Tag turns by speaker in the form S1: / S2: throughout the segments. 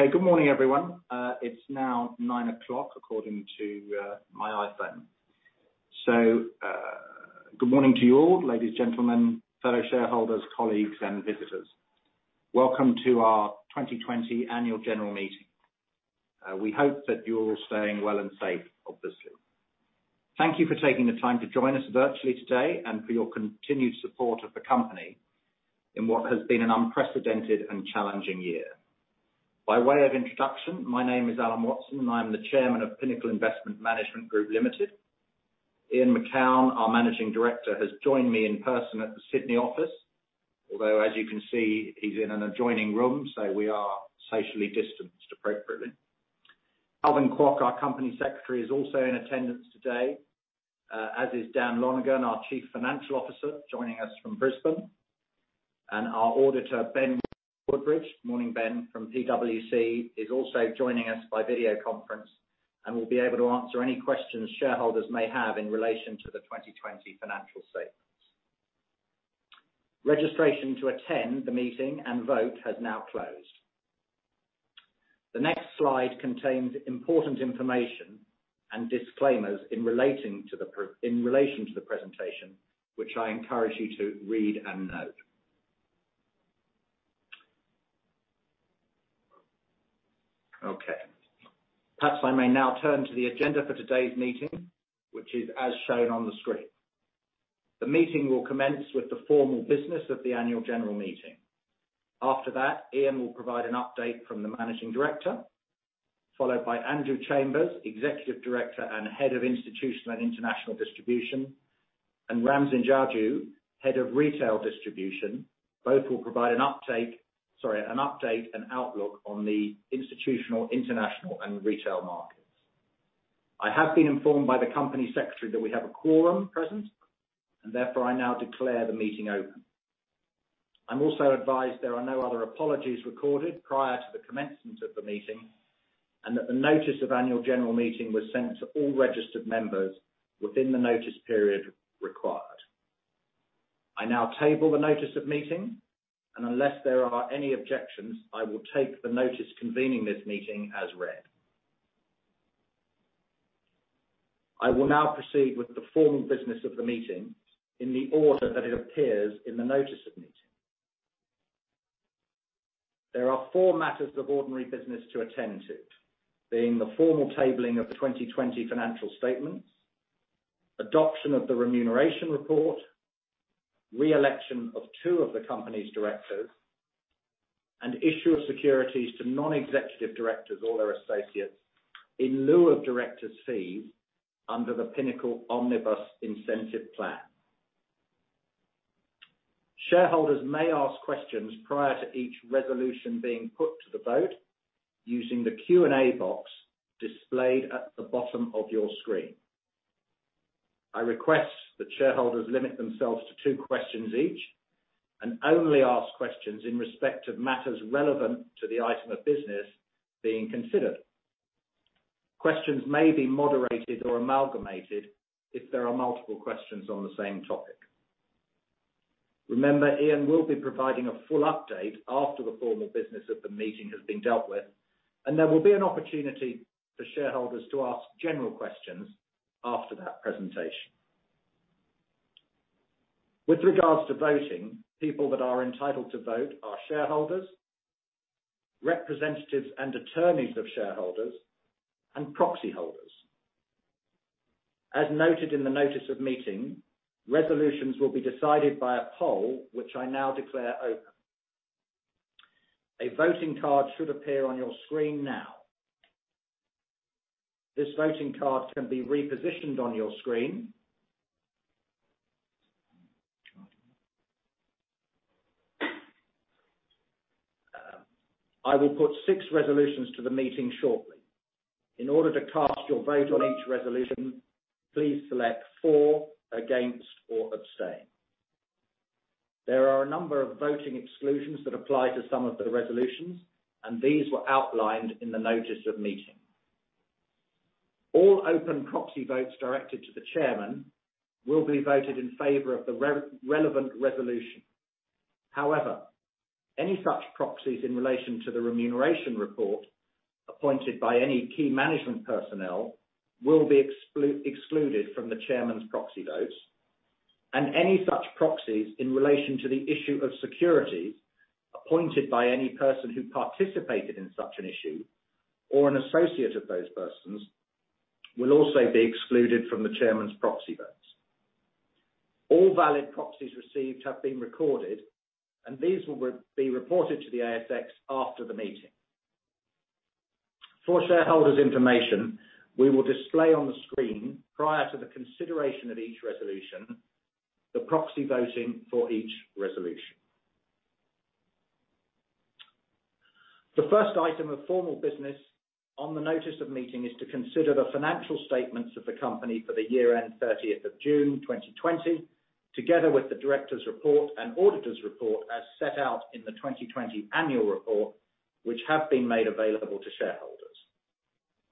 S1: Okay. Good morning, everyone. It's now 9:00 A.M. according to my iPhone. Good morning to you all, ladies, gentlemen, fellow shareholders, colleagues, and visitors. Welcome to our 2020 Annual General Meeting. We hope that you're all staying well and safe, obviously. Thank you for taking the time to join us virtually today and for your continued support of the company in what has been an unprecedented and challenging year. By way of introduction, my name is Alan Watson, and I'm the Chairman of Pinnacle Investment Management Group Limited. Ian Macoun, our Managing Director, has joined me in person at the Sydney office, although as you can see, he's in an adjoining room, so we are socially distanced appropriately. Calvin Kwok, our Company Secretary, is also in attendance today, as is Dan Longan, our Chief Financial Officer, joining us from Brisbane. Our auditor, Ben Woodbridge, morning, Ben, from PwC, is also joining us by video conference and will be able to answer any questions shareholders may have in relation to the 2020 financial statements. Registration to attend the meeting and vote has now closed. The next slide contains important information and disclaimers in relation to the presentation, which I encourage you to read and note. Okay. Perhaps I may now turn to the agenda for today's meeting, which is as shown on the screen. The meeting will commence with the formal business of the annual general meeting. After that, Ian will provide an update from the managing director, followed by Andrew Chambers, Executive Director and Head of Institutional and International Distribution, and Ramsin Jajoo, Head of Retail Distribution. Both will provide an update... Sorry, an update and outlook on the institutional, international, and retail markets. I have been informed by the Company Secretary that we have a quorum present, and therefore I now declare the meeting open. I'm also advised there are no other apologies recorded prior to the commencement of the meeting, and that the notice of annual general meeting was sent to all registered members within the notice period required. I now table the notice of meeting, and unless there are any objections, I will take the notice convening this meeting as read. I will now proceed with the formal business of the meeting in the order that it appears in the notice of meeting. There are four matters of ordinary business to attend to, being the formal tabling of the 2020 financial statements, adoption of the remuneration report, re-election of two of the Company's Directors, and issue of securities to Non-Executive Directors or their associates in lieu of directors' fees under the Pinnacle Omnibus Incentive Plan. Shareholders may ask questions prior to each resolution being put to the vote using the Q&A box displayed at the bottom of your screen. I request that shareholders limit themselves to two questions each and only ask questions in respect of matters relevant to the item of business being considered. Questions may be moderated or amalgamated if there are multiple questions on the same topic. Remember, Ian will be providing a full update after the formal business of the meeting has been dealt with, and there will be an opportunity for shareholders to ask general questions after that presentation. With regards to voting, people that are entitled to vote are shareholders, representatives and attorneys of shareholders, and proxy holders. As noted in the notice of meeting, resolutions will be decided by a poll, which I now declare open. A voting card should appear on your screen now. This voting card can be repositioned on your screen. I will put six resolutions to the meeting shortly. In order to cast your vote on each resolution, please select for, against, or abstain. There are a number of voting exclusions that apply to some of the resolutions, and these were outlined in the notice of meeting. All open proxy votes directed to the Chairman will be voted in favor of the relevant resolution. However, any such proxies in relation to the remuneration report appointed by any key management personnel will be excluded from the Chairman's proxy votes. Any such proxies in relation to the issue of securities appointed by any person who participated in such an issue or an associate of those persons will also be excluded from the Chairman's proxy votes. All valid proxies received have been recorded, and these will be reported to the ASX after the meeting. For shareholders' information, we will display on the screen prior to the consideration of each resolution, the proxy voting for each resolution. The first item of formal business on the notice of meeting is to consider the financial statements of the company for the year-end 30 June 2020, together with the directors' report and auditors' report as set out in the 2020 annual report, which have been made available to shareholders.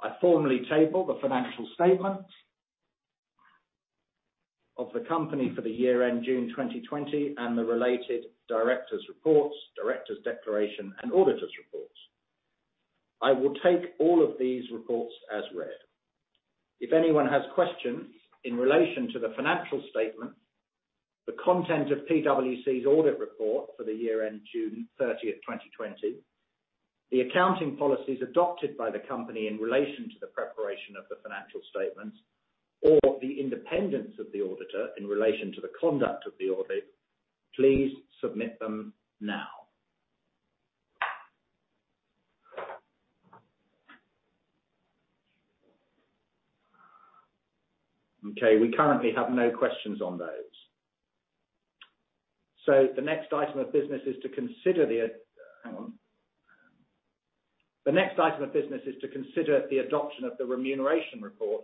S1: I formally table the financial statements of the company for the year-end June 2020, and the related directors' reports, directors' declaration, and auditors' reports. I will take all of these reports as read. If anyone has questions in relation to the financial statements, the content of PwC's audit report for the year-end June 30, 2020, the accounting policies adopted by the company in relation to the preparation of the financial statements, or the independence of the auditor in relation to the conduct of the audit, please submit them now. Okay, we currently have no questions on those. The next item of business is to consider the adoption of the remuneration report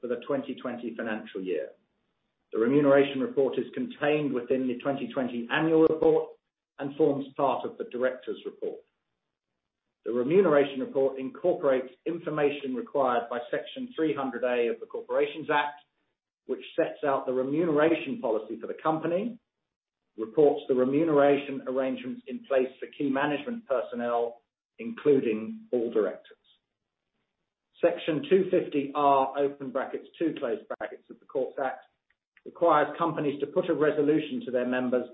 S1: for the 2020 financial year. The remuneration report is contained within the 2020 annual report and forms part of the directors' report. The remuneration report incorporates information required by Section 300A of the Corporations Act, which sets out the remuneration policy for the company, reports the remuneration arrangements in place for key management personnel, including all directors. Section 250R(2) of the Corporations Act requires companies to put a resolution to their members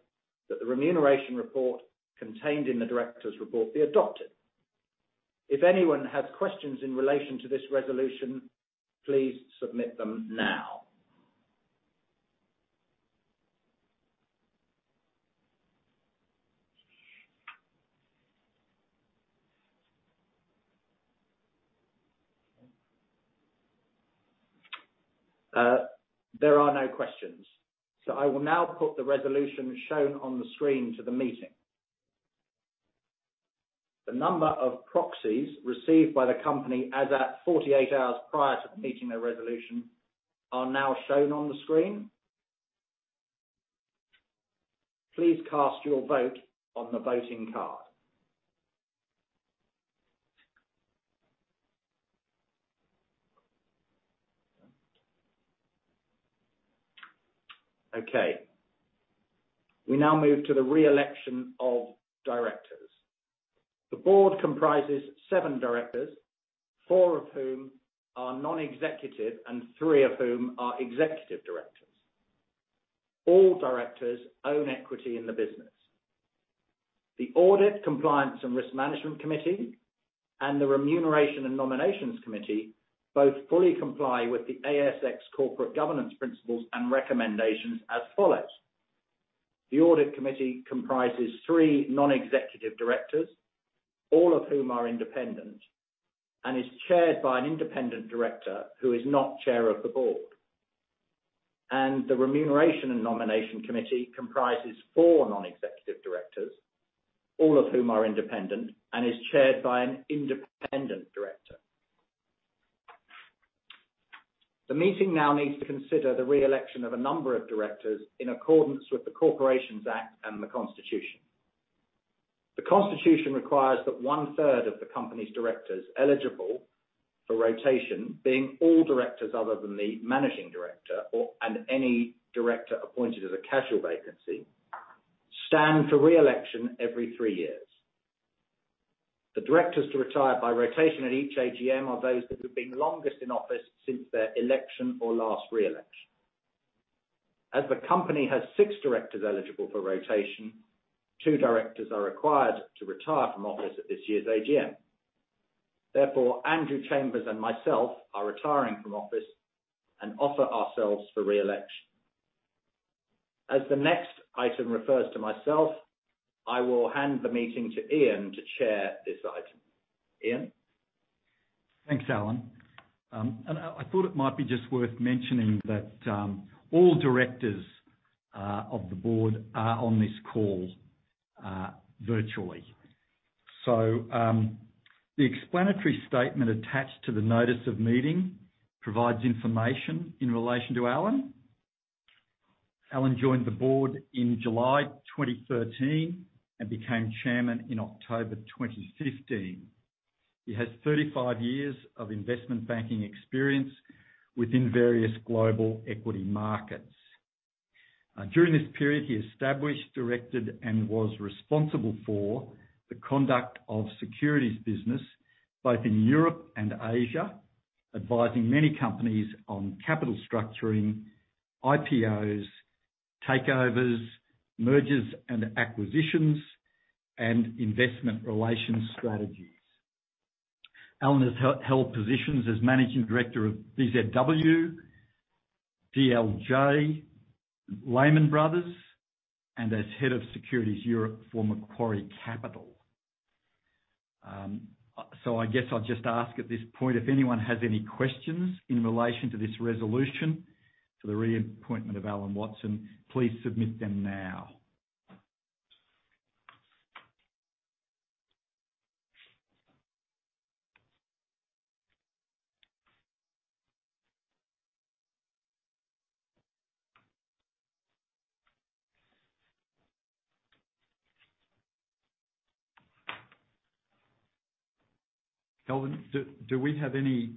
S1: that the remuneration report contained in the directors' report be adopted. If anyone has questions in relation to this resolution, please submit them now. There are no questions. I will now put the resolution shown on the screen to the meeting. The number of proxies received by the company as at 48 hours prior to the meeting resolution are now shown on the screen. Please cast your vote on the voting card. Okay. We now move to the re-election of directors. The board comprises seven directors, four of whom are non-executive and three of whom are Executive Directors. All directors own equity in the business. The Audit, Compliance, and Risk Management Committee and the Remuneration and Nominations Committee both fully comply with the ASX Corporate Governance Principles and Recommendations as follows: The Audit Committee comprises three Non-Executive Directors, all of whom are independent, and is chaired by an Independent Director who is not chair of the board. The Remuneration and Nomination Committee comprises four non-executive directors, all of whom are independent and is chaired by an independent director. The meeting now needs to consider the re-election of a number of directors in accordance with the Corporations Act and the Constitution. The Constitution requires that 1/3 of the company's directors eligible for rotation, being all directors other than the Managing Director or, and any Director appointed as a casual vacancy, stand for re-election every three years. The directors to retire by rotation at each AGM are those that have been longest in office since their election or last re-election. As the company has six directors eligible for rotation, two directors are required to retire from office at this year's AGM. Therefore, Andrew Chambers and myself are retiring from office and offer ourselves for re-election. As the next item refers to myself, I will hand the meeting to Ian to chair this item. Ian?
S2: Thanks, Alan. I thought it might be just worth mentioning that all directors of the board are on this call virtually. The explanatory statement attached to the notice of meeting provides information in relation to Alan. Alan joined the board in July 2013 and became chairman in October 2015. He has 35 years of investment banking experience within various global equity markets. During this period, he established, directed, and was responsible for the conduct of securities business both in Europe and Asia, advising many companies on capital structuring, IPOs, takeovers, mergers and acquisitions, and investor relations strategies. Alan has held positions as Managing Director of BZW, DLJ, Lehman Brothers, and as head of Securities Europe for Macquarie Capital. I guess I'll just ask at this point, if anyone has any questions in relation to this resolution for the reappointment of Alan Watson, please submit them now. Kelvin, do we have any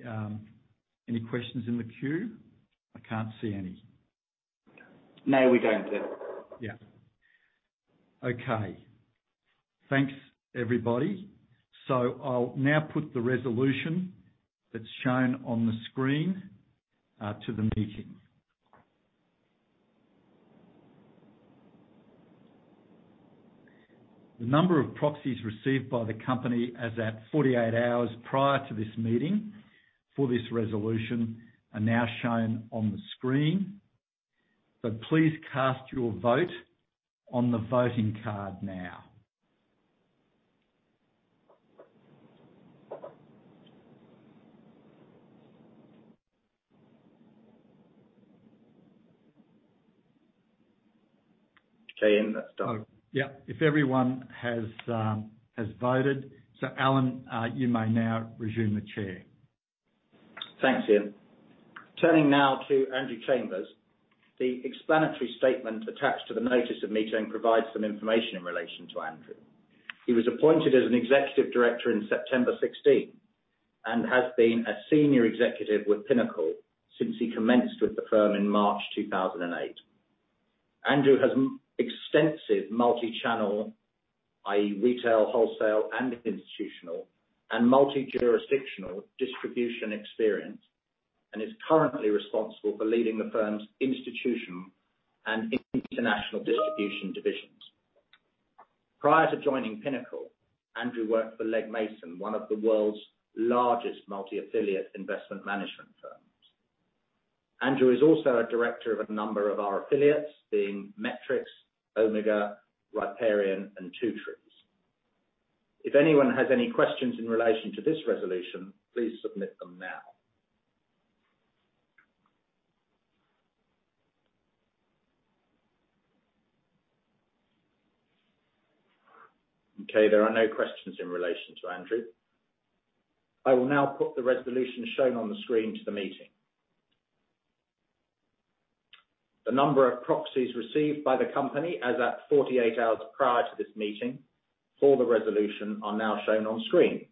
S2: questions in the queue? I can't see any.
S3: No, we don't, Ian.
S2: Yeah. Okay. Thanks, everybody. I'll now put the resolution that's shown on the screen to the meeting. The number of proxies received by the company as at 48 hours prior to this meeting for this resolution are now shown on the screen. Please cast your vote on the voting card now.
S1: Okay, Ian, that's done.
S2: Oh, yeah. If everyone has voted. Alan, you may now resume the chair.
S1: Thanks, Ian. Turning now to Andrew Chambers. The explanatory statement attached to the notice of meeting provides some information in relation to Andrew. He was appointed as an Executive Director in September 2016 and has been a senior executive with Pinnacle since he commenced with the firm in March 2008. Andrew has extensive multi-channel, i.e., retail, wholesale, and institutional, and multi-jurisdictional distribution experience, and is currently responsible for leading the firm's institutional and international distribution divisions. Prior to joining Pinnacle, Andrew worked for Legg Mason, one of the world's largest multi-affiliate investment management firms. Andrew is also a Director of a number of our affiliates, being Metrics, Omega, Riparian, and Two Trees. If anyone has any questions in relation to this resolution, please submit them now. Okay, there are no questions in relation to Andrew. I will now put the resolution shown on the screen to the meeting. The number of proxies received by the company as at 48 hours prior to this meeting for the resolution are now shown on screen.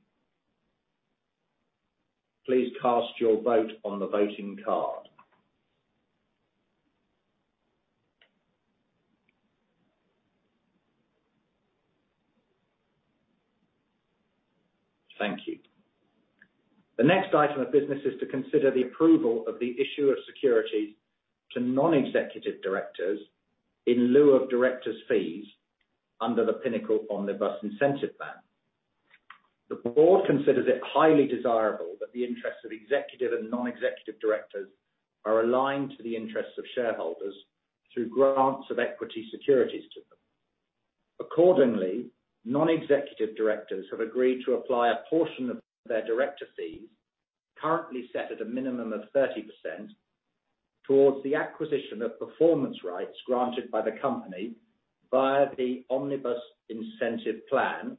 S1: Please cast your vote on the voting card. Thank you. The next item of business is to consider the approval of the issue of securities to Non-Executive Directors in lieu of directors' fees under the Pinnacle Omnibus Incentive Plan. The board considers it highly desirable that the interests of Executive and Non-Executive Directors are aligned to the interests of shareholders through grants of equity securities to them. Accordingly, non-executive directors have agreed to apply a portion of their director fees, currently set at a minimum of 30%, towards the acquisition of performance rights granted by the company via the Omnibus Incentive Plan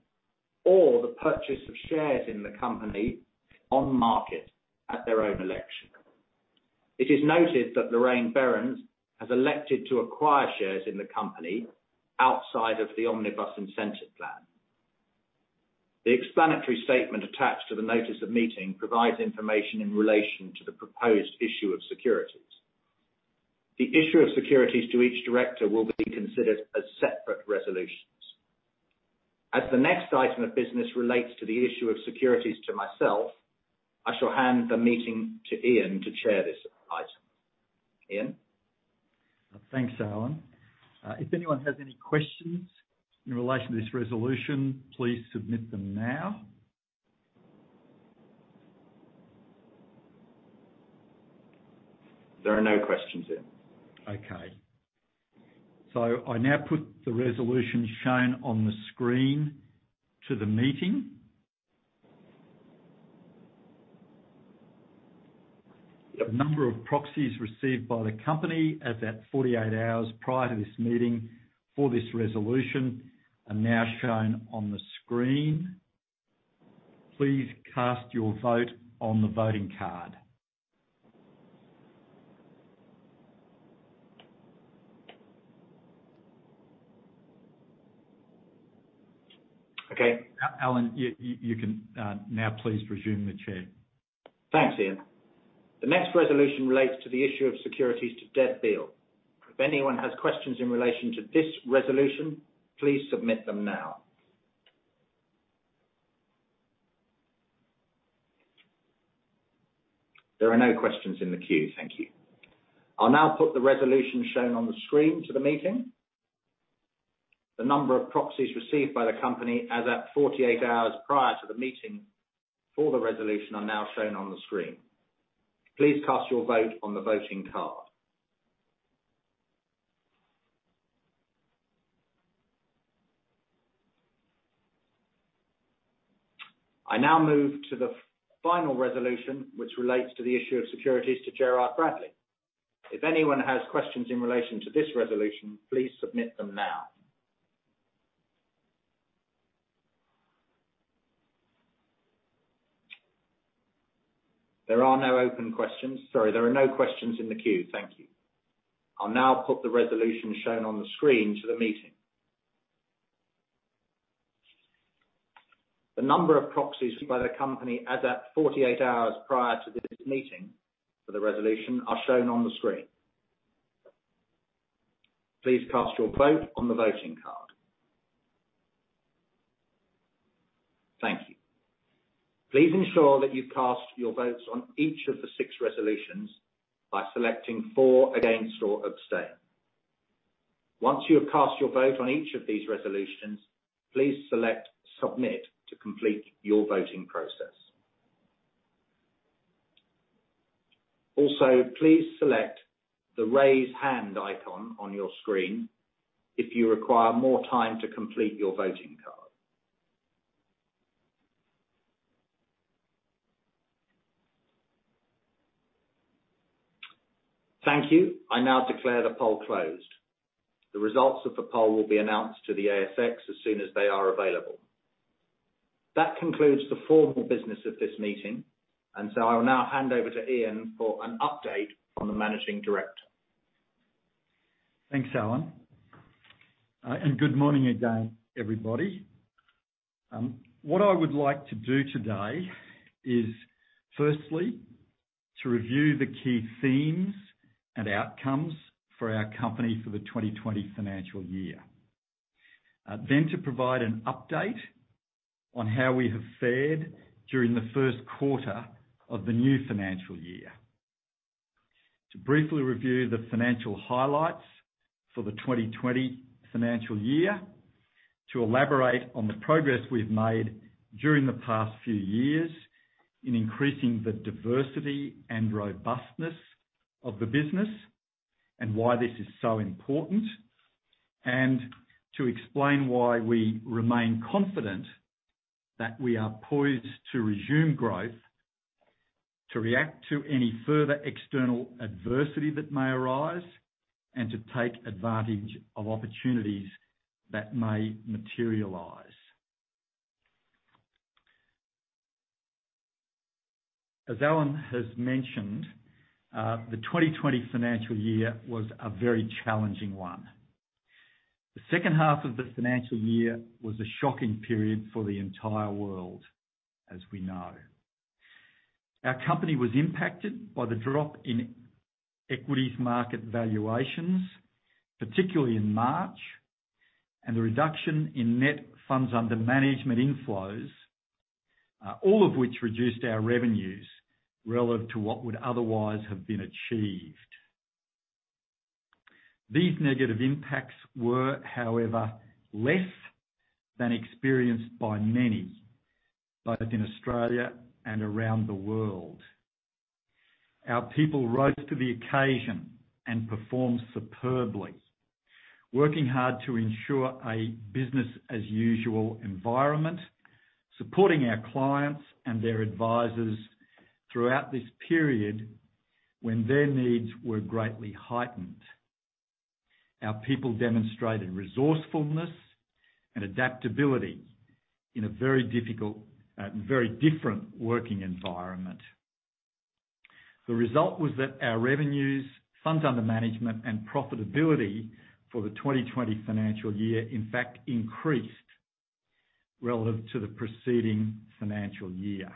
S1: or the purchase of shares in the company on market at their own election. It is noted that Lorraine Berends has elected to acquire shares in the company outside of the Omnibus Incentive Plan. The explanatory statement attached to the notice of meeting provides information in relation to the proposed issue of securities. The issue of securities to each director will be considered as separate resolutions. As the next item of business relates to the issue of securities to myself, I shall hand the meeting to Ian to chair this item. Ian?
S2: Thanks, Alan. If anyone has any questions in relation to this resolution, please submit them now.
S1: There are no questions, Ian.
S2: Okay. I now put the resolution shown on the screen to the meeting. The number of proxies received by the company as at 48 hours prior to this meeting for this resolution are now shown on the screen. Please cast your vote on the voting card.
S1: Okay.
S2: Alan, you can now please resume the chair.
S1: Thanks, Ian. The next resolution relates to the issue of securities to Deborah Beale. If anyone has questions in relation to this resolution, please submit them now. There are no questions in the queue. Thank you. I'll now put the resolution shown on the screen to the meeting. The number of proxies received by the company as at 48 hours prior to the meeting for the resolution are now shown on the screen. Please cast your vote on the voting card. I now move to the final resolution, which relates to the issue of securities to Gerard Bradley. If anyone has questions in relation to this resolution, please submit them now. There are no open questions. Sorry, there are no questions in the queue. Thank you. I'll now put the resolution shown on the screen to the meeting. The number of proxies by the company as at 48 hours prior to this meeting for the resolution are shown on the screen. Please cast your vote on the voting card. Thank you. Please ensure that you cast your votes on each of the 6 resolutions by selecting For, Against, or Abstain. Once you have cast your vote on each of these resolutions, please select Submit to complete your voting process. Also, please select the Raise Hand icon on your screen if you require more time to complete your voting card. Thank you. I now declare the poll closed. The results of the poll will be announced to the ASX as soon as they are available. That concludes the formal business of this meeting, and so I will now hand over to Ian for an update from the managing director.
S2: Thanks, Alan. Good morning again, everybody. What I would like to do today is firstly, to review the key themes and outcomes for our company for the 2020 financial year. Then to provide an update on how we have fared during the first quarter of the new financial year. To briefly review the financial highlights for the 2020 financial year, to elaborate on the progress we've made during the past few years in increasing the diversity and robustness of the business and why this is so important, and to explain why we remain confident that we are poised to resume growth, to react to any further external adversity that may arise, and to take advantage of opportunities that may materialize. As Alan has mentioned, the 2020 financial year was a very challenging one. The second half of the financial year was a shocking period for the entire world, as we know. Our company was impacted by the drop in equities market valuations, particularly in March, and the reduction in net funds under management inflows, all of which reduced our revenues relative to what would otherwise have been achieved. These negative impacts were, however, less than experienced by many, both in Australia and around the world. Our people rose to the occasion and performed superbly, working hard to ensure a business as usual environment, supporting our clients and their advisors throughout this period when their needs were greatly heightened. Our people demonstrated resourcefulness and adaptability in a very difficult, very different working environment. The result was that our revenues, funds under management, and profitability for the 2020 financial year, in fact, increased relative to the preceding financial year.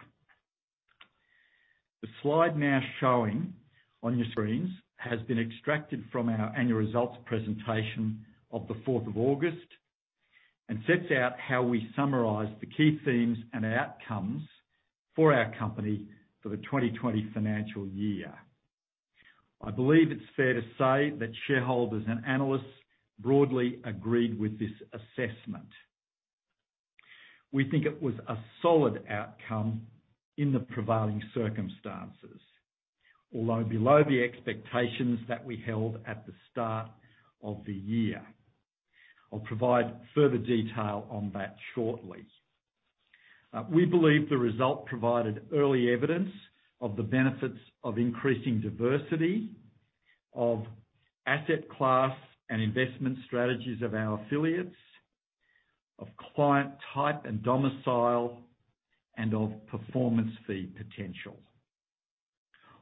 S2: The slide now showing on your screens has been extracted from our annual results presentation of the fourth of August and sets out how we summarize the key themes and outcomes for our company for the 2020 financial year. I believe it's fair to say that shareholders and analysts broadly agreed with this assessment. We think it was a solid outcome in the prevailing circumstances, although below the expectations that we held at the start of the year. I'll provide further detail on that shortly. We believe the result provided early evidence of the benefits of increasing diversity of asset class and investment strategies of our affiliates, of client type and domicile, and of performance fee potential.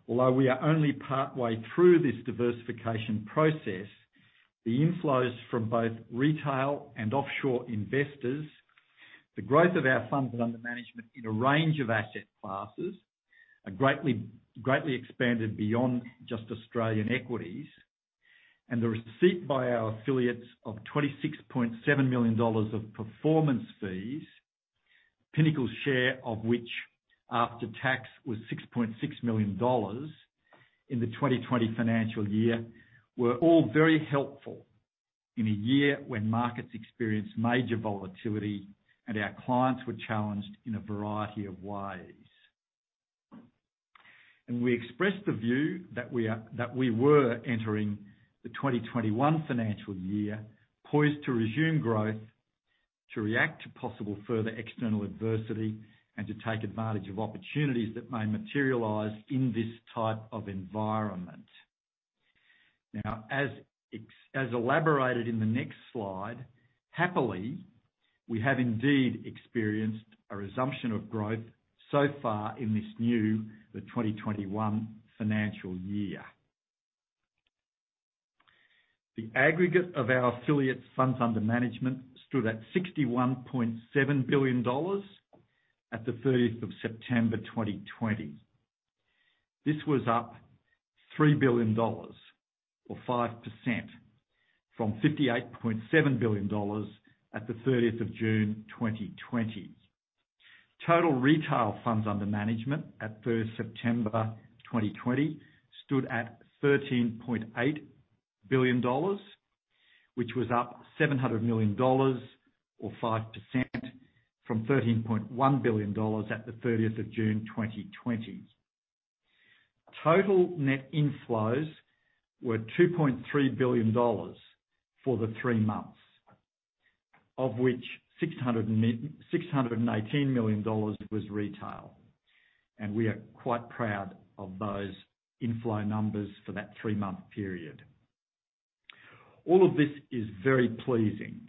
S2: Although we are only partway through this diversification process, the inflows from both retail and offshore investors, the growth of our funds under management in a range of asset classes are greatly expanded beyond just Australian equities, and the receipt by our affiliates of 26.7 million dollars of performance fees, Pinnacle's share of which after tax was 6.6 million dollars in the 2020 financial year, were all very helpful in a year when markets experienced major volatility and our clients were challenged in a variety of ways. We expressed the view that we were entering the 2021 financial year poised to resume growth, to react to possible further external adversity, and to take advantage of opportunities that may materialize in this type of environment. Now, as elaborated in the next slide, happily, we have indeed experienced a resumption of growth so far in this new 2021 financial year. The aggregate of our affiliates funds under management stood at 61.7 billion dollars at 30 September 2020. This was up 3 billion dollars or 5% from 58.7 billion dollars at 30 June 2020. Total retail funds under management at 30 September 2020 stood at AUD 13.8 billion, which was up 700 million dollars or 5% from 13.1 billion dollars at 30 June 2020. Total net inflows were 2.3 billion dollars for the three months, of which 618 million dollars was retail, and we are quite proud of those inflow numbers for that three-month period. All of this is very pleasing,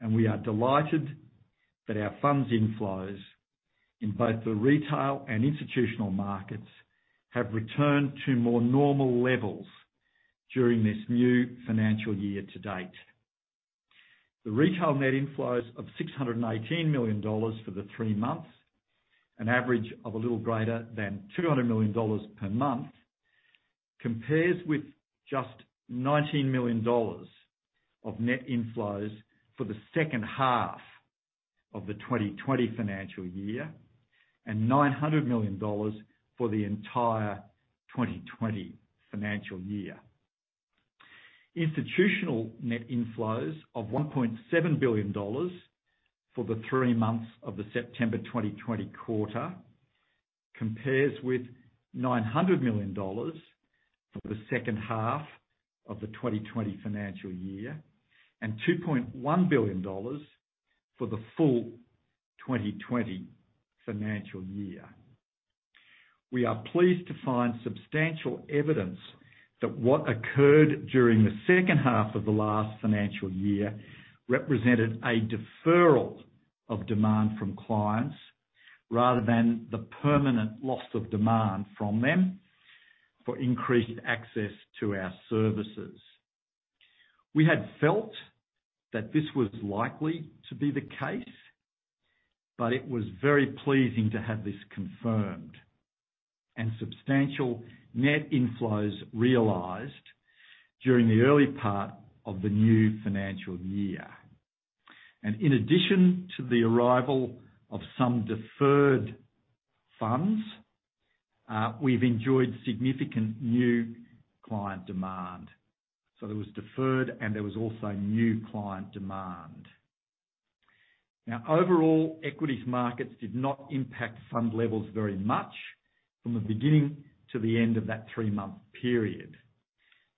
S2: and we are delighted that our funds inflows in both the retail and institutional markets have returned to more normal levels during this new financial year to date. The retail net inflows of 618 million dollars for the three months, an average of a little greater than 200 million dollars per month, compares with just 19 million dollars of net inflows for the second half of the 2020 financial year and 900 million dollars for the entire 2020 financial year. Institutional net inflows of 1.7 billion dollars for the three months of the September 2020 quarter compares with 900 million dollars for the second half of the 2020 financial year and 2.1 billion dollars for the full 2020 financial year. We are pleased to find substantial evidence that what occurred during the second half of the last financial year represented a deferral of demand from clients rather than the permanent loss of demand from them for increased access to our services. We had felt that this was likely to be the case, but it was very pleasing to have this confirmed and substantial net inflows realized during the early part of the new financial year. In addition to the arrival of some deferred funds, we've enjoyed significant new client demand. There was deferred and there was also new client demand. Now, overall, equities markets did not impact fund levels very much from the beginning to the end of that three-month period.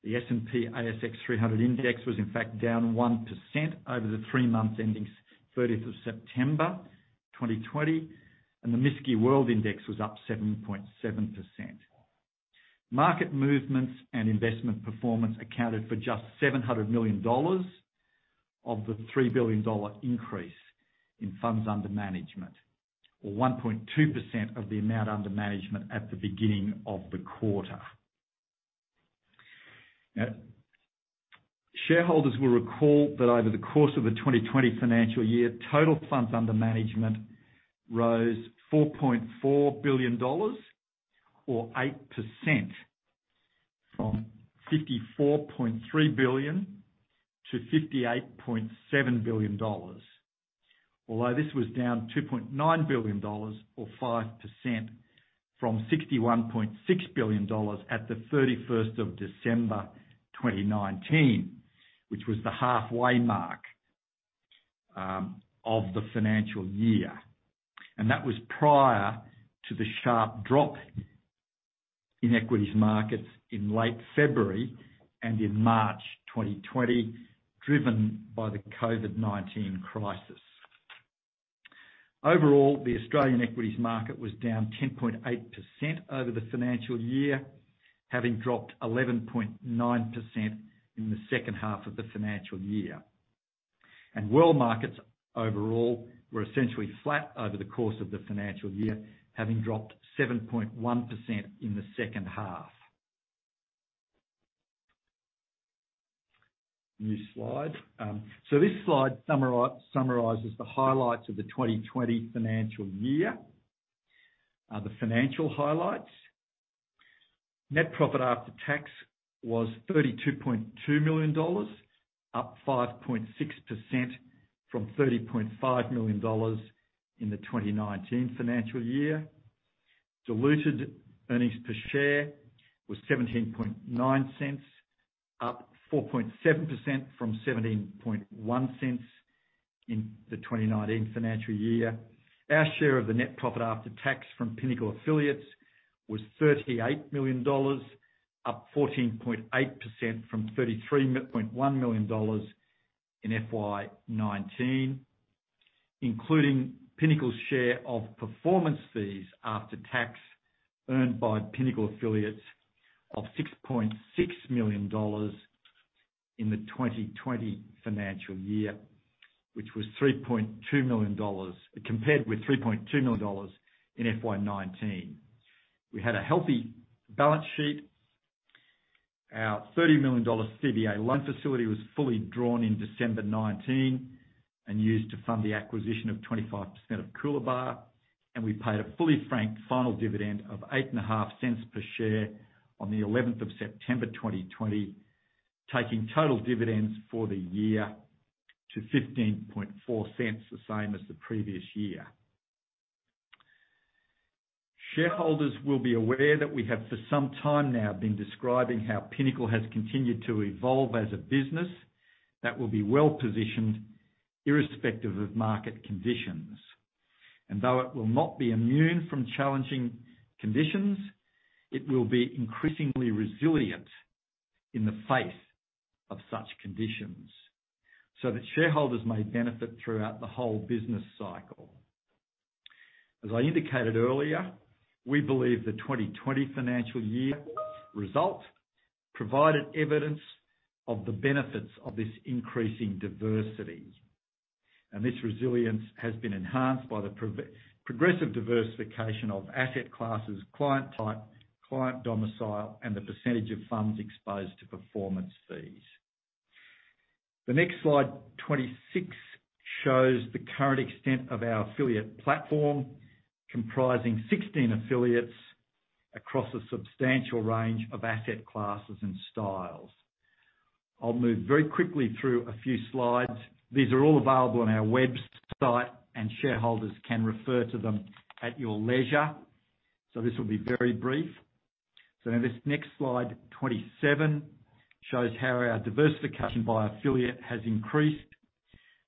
S2: The S&P/ASX 300 index was in fact down 1% over the three months ending thirtieth of September 2020, and the MSCI World Index was up 7.7%. Market movements and investment performance accounted for just 700 million dollars of the 3 billion dollar increase in funds under management, or 1.2% of the amount under management at the beginning of the quarter. Now, shareholders will recall that over the course of the 2020 financial year, total funds under management rose 4.4 billion dollars or 8% from 54.3 billion to 58.7 billion dollars. Although this was down 2.9 billion dollars or 5% from 61.6 billion dollars at 31 December 2019, which was the halfway mark of the financial year. That was prior to the sharp drop in equities markets in late February and in March 2020, driven by the COVID-19 crisis. Overall, the Australian equities market was down 10.8% over the financial year, having dropped 11.9% in the second half of the financial year. World markets overall were essentially flat over the course of the financial year, having dropped 7.1% in the second half. New slide. This slide summarizes the highlights of the 2020 financial year. The financial highlights. Net profit after tax was AUD 32.2 million, up 5.6% from AUD 30.5 million in the 2019 financial year. Diluted earnings per share was AUD 0.179, up 4.7% from 0.171 in the 2019 financial year. Our share of the net profit after tax from Pinnacle affiliates was AUD 38 million, up 14.8% from AUD 33.1 million in FY 2019. Including Pinnacle's share of performance fees after tax earned by Pinnacle affiliates of 6.6 million dollars in the 2020 financial year, which was 3.2 million dollars compared with 3.2 million dollars in FY 2019. We had a healthy balance sheet. Our 30 million dollar CBA loan facility was fully drawn in December 2019 and used to fund the acquisition of 25% of Coolabah, and we paid a fully franked final dividend of 0.085 per share on the 11th of September 2020, taking total dividends for the year to 0.154, the same as the previous year. Shareholders will be aware that we have, for some time now, been describing how Pinnacle has continued to evolve as a business that will be well-positioned irrespective of market conditions. Though it will not be immune from challenging conditions, it will be increasingly resilient in the face of such conditions so that shareholders may benefit throughout the whole business cycle. As I indicated earlier, we believe the 2020 financial year result provided evidence of the benefits of this increasing diversity, and this resilience has been enhanced by the progressive diversification of asset classes, client type, client domicile, and the percentage of funds exposed to performance fees. The next slide, 26, shows the current extent of our affiliate platform, comprising 16 affiliates across a substantial range of asset classes and styles. I'll move very quickly through a few slides. These are all available on our website, and shareholders can refer to them at your leisure, so this will be very brief. In this next slide, 27, shows how our diversification by affiliate has increased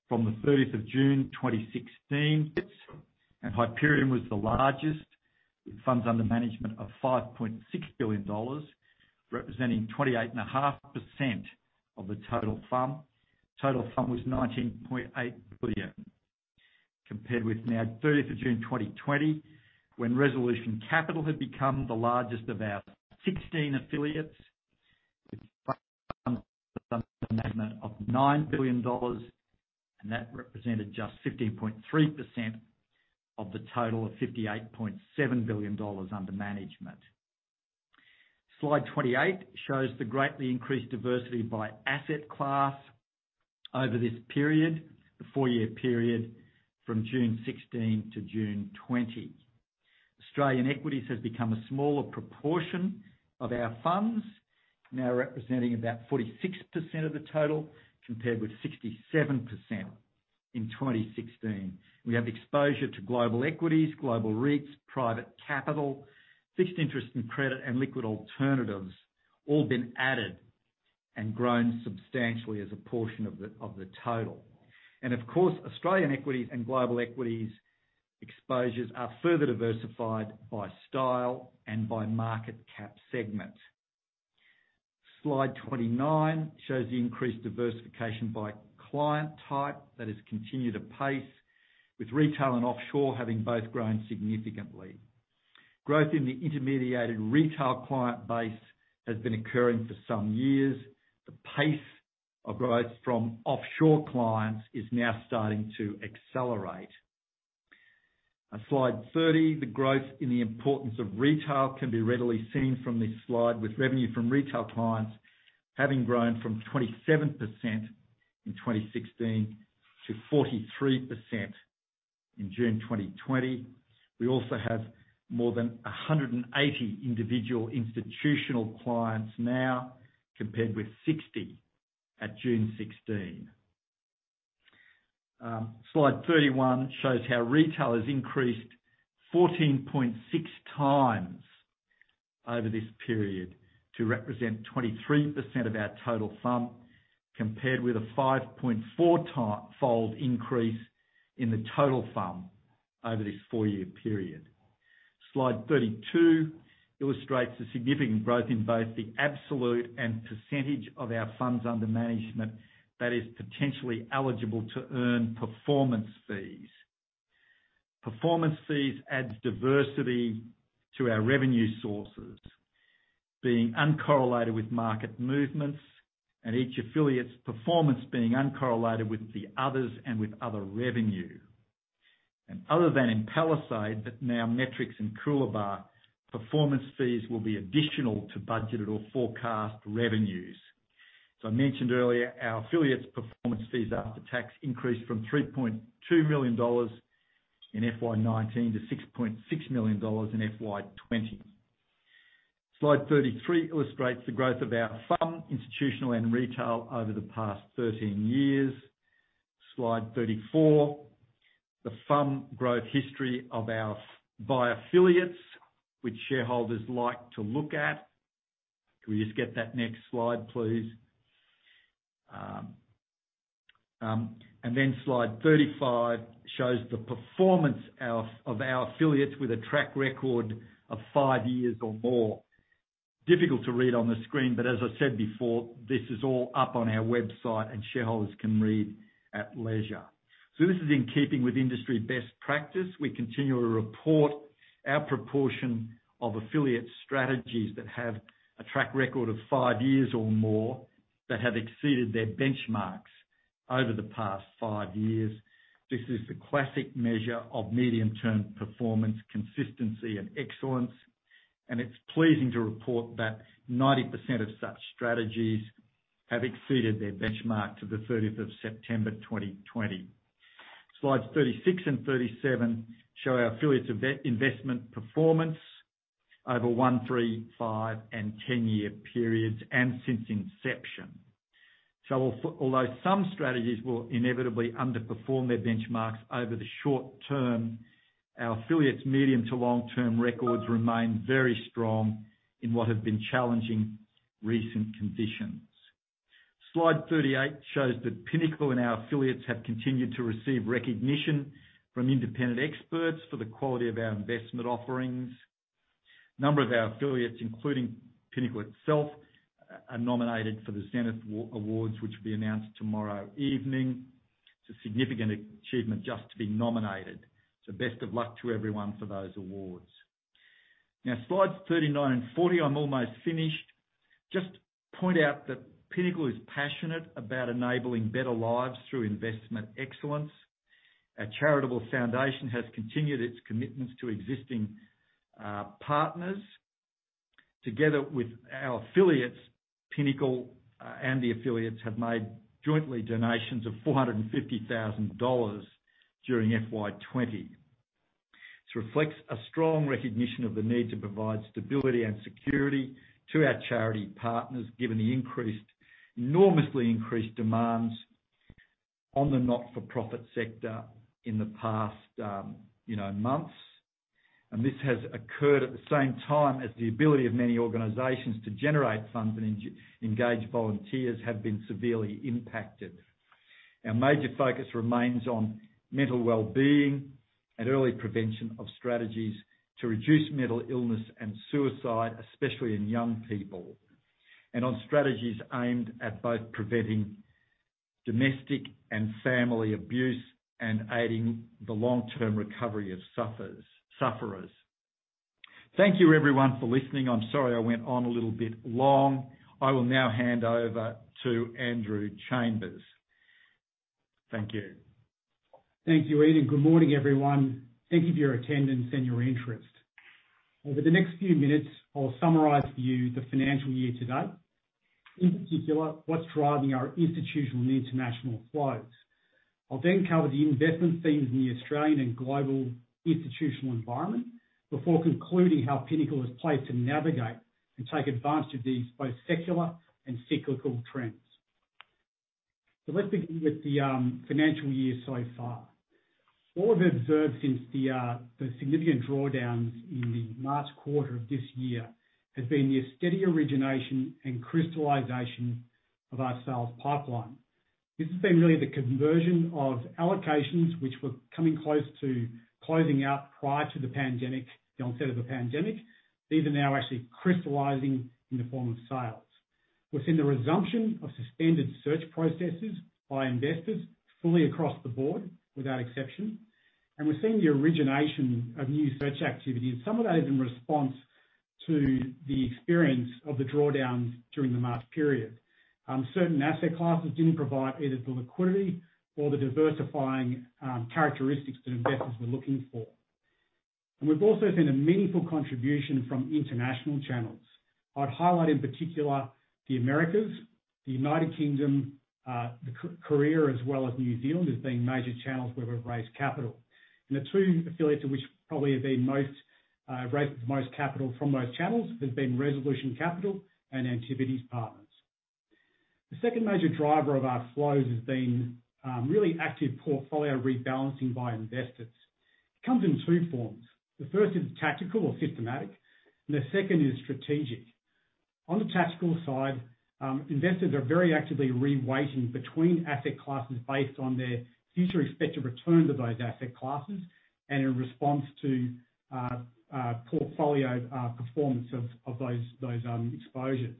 S2: from the 30th of June 2016. Hyperion was the largest, with funds under management of 5.6 billion dollars, representing 28.5% of the total FUM. Total FUM was 19.8 billion, compared with now, 30th of June 2020, when Resolution Capital had become the largest of our 16 affiliates, with funds under management of 9 billion dollars, and that represented just 15.3% of the total of 58.7 billion dollars under management. Slide 28 shows the greatly increased diversity by asset class over this period, the four-year period from June 2016 to June 2020. Australian equities has become a smaller proportion of our funds, now representing about 46% of the total, compared with 67% in 2016. We have exposure to global equities, global REITs, private capital, fixed interest and credit, and liquid alternatives, all been added and grown substantially as a portion of the total. Of course, Australian equities and global equities exposures are further diversified by style and by market cap segment. Slide 29 shows the increased diversification by client type that has continued apace, with retail and offshore having both grown significantly. Growth in the intermediated retail client base has been occurring for some years. The pace of growth from offshore clients is now starting to accelerate. On slide 30, the growth in the importance of retail can be readily seen from this slide, with revenue from retail clients having grown from 27% in 2016 to 43% in June 2020. We also have more than 180 individual institutional clients now, compared with 60 at June 2016. Slide 31 shows how retail has increased 14.6 times over this period to represent 23% of our total FUM, compared with a 5.4-fold increase in the total FUM over this four-year period. Slide 32 illustrates the significant growth in both the absolute and percentage of our funds under management that is potentially eligible to earn performance fees. Performance fees adds diversity to our revenue sources, being uncorrelated with market movements and each affiliate's performance being uncorrelated with the others and with other revenue. Other than in Palisade, but now Metrics and Coolabah, performance fees will be additional to budgeted or forecast revenues. I mentioned earlier, our affiliates' performance fees after tax increased from 3.2 million dollars in FY 2019 to 6.6 million dollars in FY 2020. Slide 33 illustrates the growth of our FUM, institutional and retail, over the past 13 years. Slide 34, the FUM growth history by affiliates, which shareholders like to look at. Can we just get that next slide, please? Slide 35 shows the performance of our affiliates with a track record of five years or more. Difficult to read on the screen, but as I said before, this is all up on our website and shareholders can read at leisure. This is in keeping with industry best practice. We continue to report our proportion of affiliate strategies that have a track record of five years or more, that have exceeded their benchmarks over the past five years. This is the classic measure of medium-term performance, consistency, and excellence. It's pleasing to report that 90% of such strategies have exceeded their benchmark to the 13th of September 2020. Slides 36 and 37 show our affiliates' investment performance over one, three, five, and 10-year periods, and since inception. Although some strategies will inevitably underperform their benchmarks over the short term, our affiliates' medium to long-term records remain very strong in what have been challenging recent conditions. Slide 38 shows that Pinnacle and our affiliates have continued to receive recognition from independent experts for the quality of our investment offerings. A number of our affiliates, including Pinnacle itself, are nominated for the Zenith Awards, which will be announced tomorrow evening. It's a significant achievement just to be nominated. Best of luck to everyone for those awards. Now, slides 39 and 40, I'm almost finished. Just to point out that Pinnacle is passionate about enabling better lives through investment excellence. Our charitable foundation has continued its commitments to existing partners. Together with our affiliates, Pinnacle and the affiliates have made jointly donations of 450,000 dollars during FY 2020. This reflects a strong recognition of the need to provide stability and security to our charity partners, given the increased, enormously increased demands on the not-for-profit sector in the past, you know, months. This has occurred at the same time as the ability of many organizations to generate funds and engage volunteers have been severely impacted. Our major focus remains on mental well-being and early prevention of strategies to reduce mental illness and suicide, especially in young people, and on strategies aimed at both preventing domestic and family abuse and aiding the long-term recovery of sufferers. Thank you everyone for listening. I'm sorry I went on a little bit long. I will now hand over to Andrew Chambers. Thank you.
S4: Thank you, Ian. Good morning, everyone. Thank you for your attendance and your interest. Over the next few minutes, I'll summarize for you the financial year to date. In particular, what's driving our institutional and international flows. I'll then cover the investment themes in the Australian and global institutional environment before concluding how Pinnacle is placed to navigate and take advantage of these both secular and cyclical trends. Let's begin with the financial year so far. What we've observed since the significant drawdowns in the March quarter of this year has been the steady origination and crystallization of our sales pipeline. This has been really the conversion of allocations which were coming close to closing out prior to the pandemic, the onset of the pandemic. These are now actually crystallizing in the form of sales. We're seeing the resumption of suspended search processes by investors fully across the board, without exception. We're seeing the origination of new search activities, some of those in response to the experience of the drawdowns during the March period. Certain asset classes didn't provide either the liquidity or the diversifying characteristics that investors were looking for. We've also seen a meaningful contribution from international channels. I'd highlight in particular the Americas, the United Kingdom, Korea, as well as New Zealand as being major channels where we've raised capital. The two affiliates of which probably have raised the most capital from those channels has been Resolution Capital and Antipodes Partners. The second major driver of our flows has been really active portfolio rebalancing by investors. It comes in two forms. The first is tactical or systematic, and the second is strategic. On the tactical side, investors are very actively re-weighting between asset classes based on their future expected return to those asset classes and in response to portfolio performance of those exposures.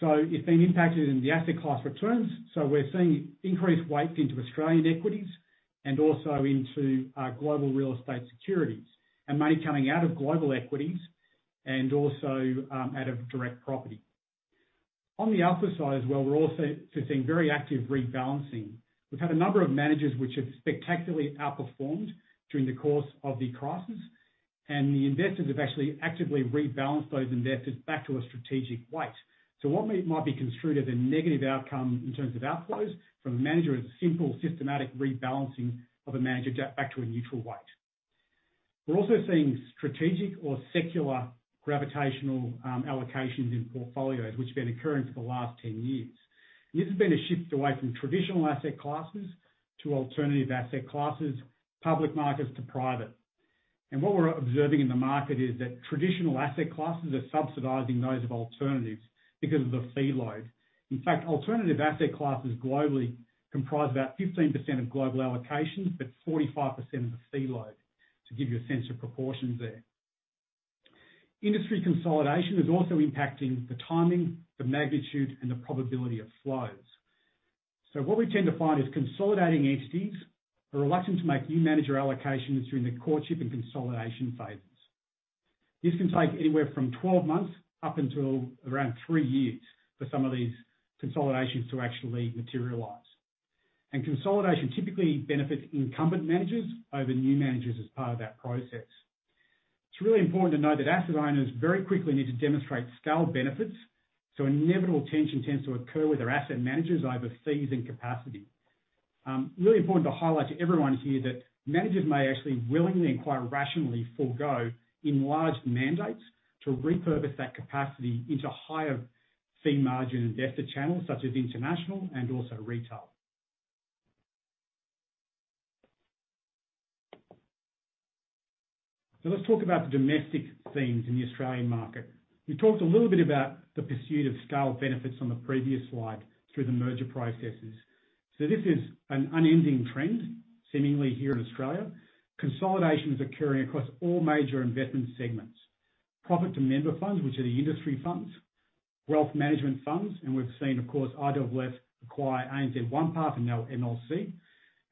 S4: It's been impacted in the asset class returns. We're seeing increased weight into Australian equities and also into global real estate securities. Money coming out of global equities and also out of direct property. On the output side as well, we're also seeing very active rebalancing. We've had a number of managers which have spectacularly outperformed during the course of the crisis, and the investors have actually actively rebalanced those investors back to a strategic weight. What might be construed as a negative outcome in terms of outflows from a manager is a simple, systematic rebalancing of a manager back to a neutral weight. We're also seeing strategic or secular gravitational allocations in portfolios, which have been occurring for the last 10 years. This has been a shift away from traditional asset classes to alternative asset classes, public markets to private. What we're observing in the market is that traditional asset classes are subsidizing those of alternatives because of the fee load. In fact, alternative asset classes globally comprise about 15% of global allocations, but 45% of the fee load, to give you a sense of proportions there. Industry consolidation is also impacting the timing, the magnitude, and the probability of flows. What we tend to find is consolidating entities are reluctant to make new manager allocations during the courtship and consolidation phases. This can take anywhere from 12 months up until around three years for some of these consolidations to actually materialize. Consolidation typically benefits incumbent managers over new managers as part of that process. It's really important to note that asset owners very quickly need to demonstrate scale benefits, so inevitable tension tends to occur with their asset managers over fees and capacity. Really important to highlight to everyone here that managers may actually willingly, and quite rationally, forego enlarged mandates to repurpose that capacity into higher fee margin investor channels such as international and also retail. Let's talk about the domestic themes in the Australian market. We talked a little bit about the pursuit of scale benefits on the previous slide through the merger processes. This is an unending trend, seemingly here in Australia. Consolidation is occurring across all major investment segments. Profit-to-member funds, which are the industry funds, wealth management funds, and we've seen, of course, IOOF acquire ANZ OnePath and now MLC,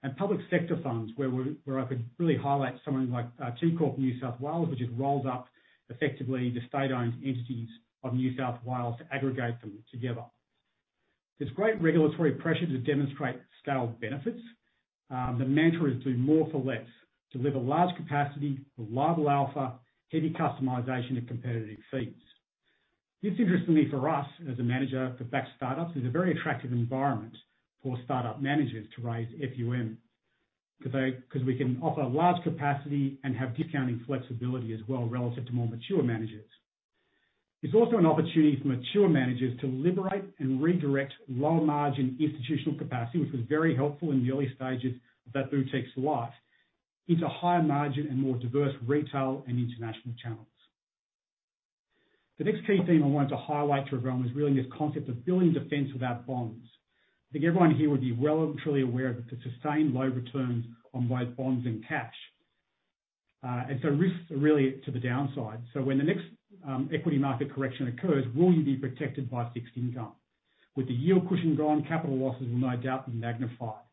S4: and public sector funds, where I could really highlight someone like TCorp New South Wales, which has rolled up effectively the state-owned entities of New South Wales to aggregate them together. There's great regulatory pressure to demonstrate scaled benefits. The mantra is do more for less, deliver large capacity with reliable alpha, heavy customization at competitive fees. This interestingly, for us as a manager for backed startups, is a very attractive environment for startup managers to raise FUM, 'cause we can offer large capacity and have discounting flexibility as well relative to more mature managers. It's also an opportunity for mature managers to liberate and redirect low-margin institutional capacity, which was very helpful in the early stages of that boutique's life into higher margin and more diverse retail and international channels. The next key theme I wanted to highlight to everyone was really this concept of building defense without bonds. I think everyone here would be well and truly aware of the sustained low returns on both bonds and cash. Risks are really to the downside. When the next equity market correction occurs, will you be protected by fixed income? With the yield cushion gone, capital losses will no doubt be magnified.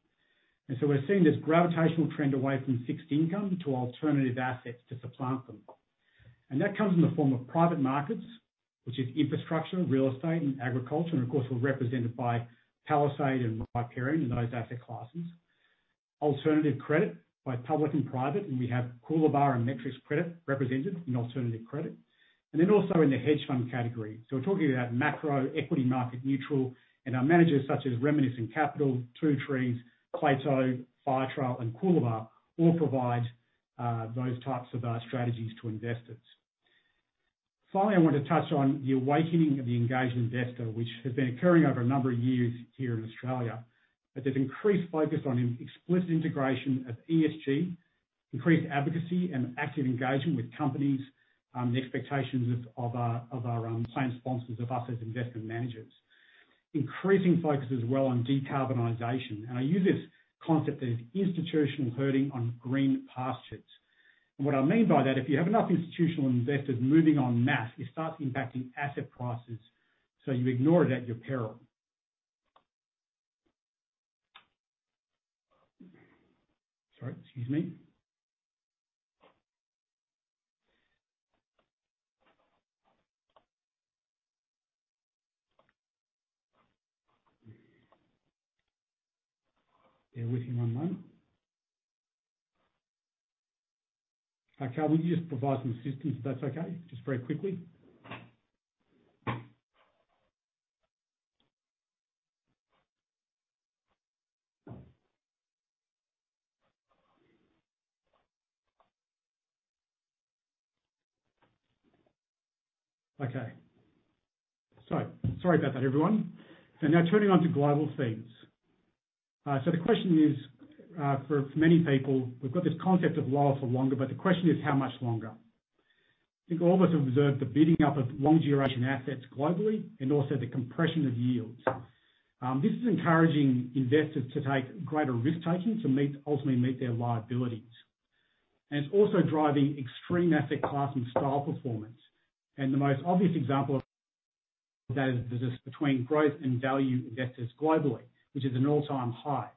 S4: We're seeing this gravitational trend away from fixed income to alternative assets to supplant them. That comes in the form of private markets, which is infrastructure, real estate and agriculture, and of course, we're represented by Palisade and Riparian in those asset classes. Alternative credit by public and private, and we have Coolabah and Metrics Credit represented in alternative credit. Then also in the hedge fund category. We're talking about macro equity market neutral and our managers such as Reminiscent Capital, Two Trees, Plato, Firetrail and Coolabah all provide those types of strategies to investors. Finally, I want to touch on the awakening of the engaged investor, which has been occurring over a number of years here in Australia. There's increased focus on explicit integration of ESG, increased advocacy and active engagement with companies, the expectations of our plan sponsors of us as investment managers. Increasing focus as well on decarbonization. I use this concept that is institutional herding on green pastures. What I mean by that, if you have enough institutional investors moving en masse, it starts impacting asset prices, so you ignore it at your peril. Sorry, excuse me. Bear with me one moment. Carl, will you just provide some assistance if that's okay? Just very quickly. Okay. So sorry about that, everyone. Now turning to global themes. The question is, for many people, we've got this concept of lower for longer, but the question is how much longer? I think all of us have observed the bidding up of long duration assets globally and also the compression of yields. This is encouraging investors to take greater risk-taking to ultimately meet their liabilities. It's also driving extreme asset class and style performance. The most obvious example of that is this between growth and value investors globally, which is an all-time high.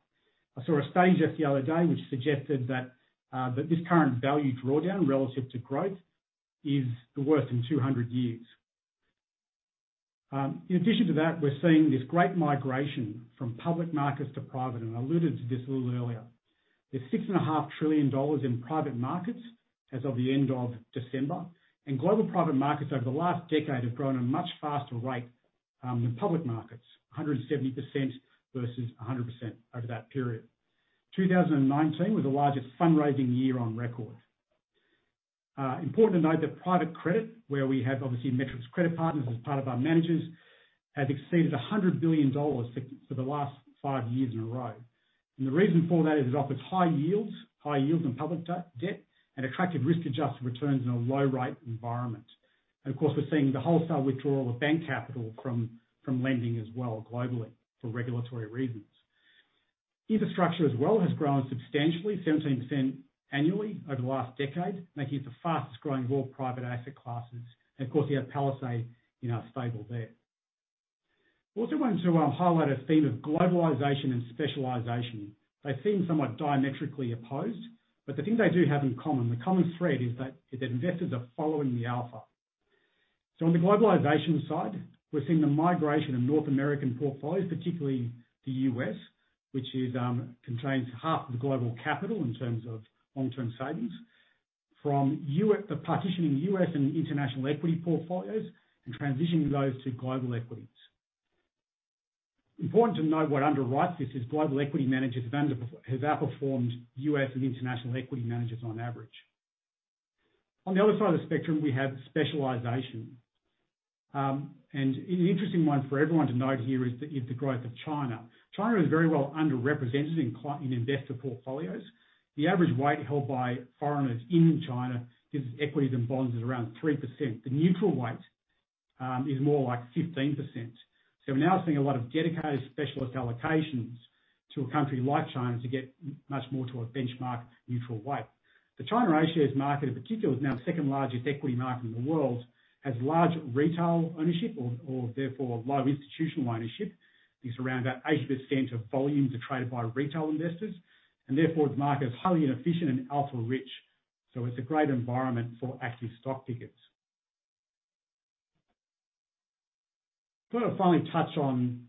S4: I saw a study just the other day which suggested that this current value drawdown relative to growth is the worst in 200 years. In addition to that, we're seeing this great migration from public markets to private, and I alluded to this a little earlier. There's $6.5 trillion in private markets as of the end of December. Global private markets over the last decade have grown at a much faster rate than public markets, 170% versus 100% over that period. 2019 was the largest fundraising year on record. Important to note that private credit, where we have obviously Metrics Credit Partners as part of our managers, has exceeded $100 billion for the last five years in a row. The reason for that is it offers high yields on public debt, and attractive risk-adjusted returns in a low-rate environment. Of course, we're seeing the wholesale withdrawal of bank capital from lending as well globally for regulatory reasons. Infrastructure as well has grown substantially 17% annually over the last decade, making it the fastest-growing of all private asset classes. Of course, we have Palisade in our stable there. We also wanted to highlight a theme of globalization and specialization. They seem somewhat diametrically opposed, but the thing they do have in common, the common thread is that investors are following the alpha. On the globalization side, we're seeing the migration of North American portfolios, particularly the U.S., which contains half of the global capital in terms of long-term savings from the partitioning U.S. and international equity portfolios and transitioning those to global equities. Important to note what underwrites this is global equity managers have outperformed U.S. and international equity managers on average. On the other side of the spectrum, we have specialization. An interesting one for everyone to note here is the growth of China. China is very well underrepresented in client investor portfolios. The average weight held by foreigners in China's equities and bonds is around 3%. The neutral weight is more like 15%. We're now seeing a lot of dedicated specialist allocations to a country like China to get much more to a benchmark neutral weight. The China A-shares market, in particular, is now the second-largest equity market in the world, has large retail ownership or therefore low institutional ownership. It's around about 80% of volumes are traded by retail investors and therefore the market is highly inefficient and alpha rich. It's a great environment for active stock pickers. I want to finally touch on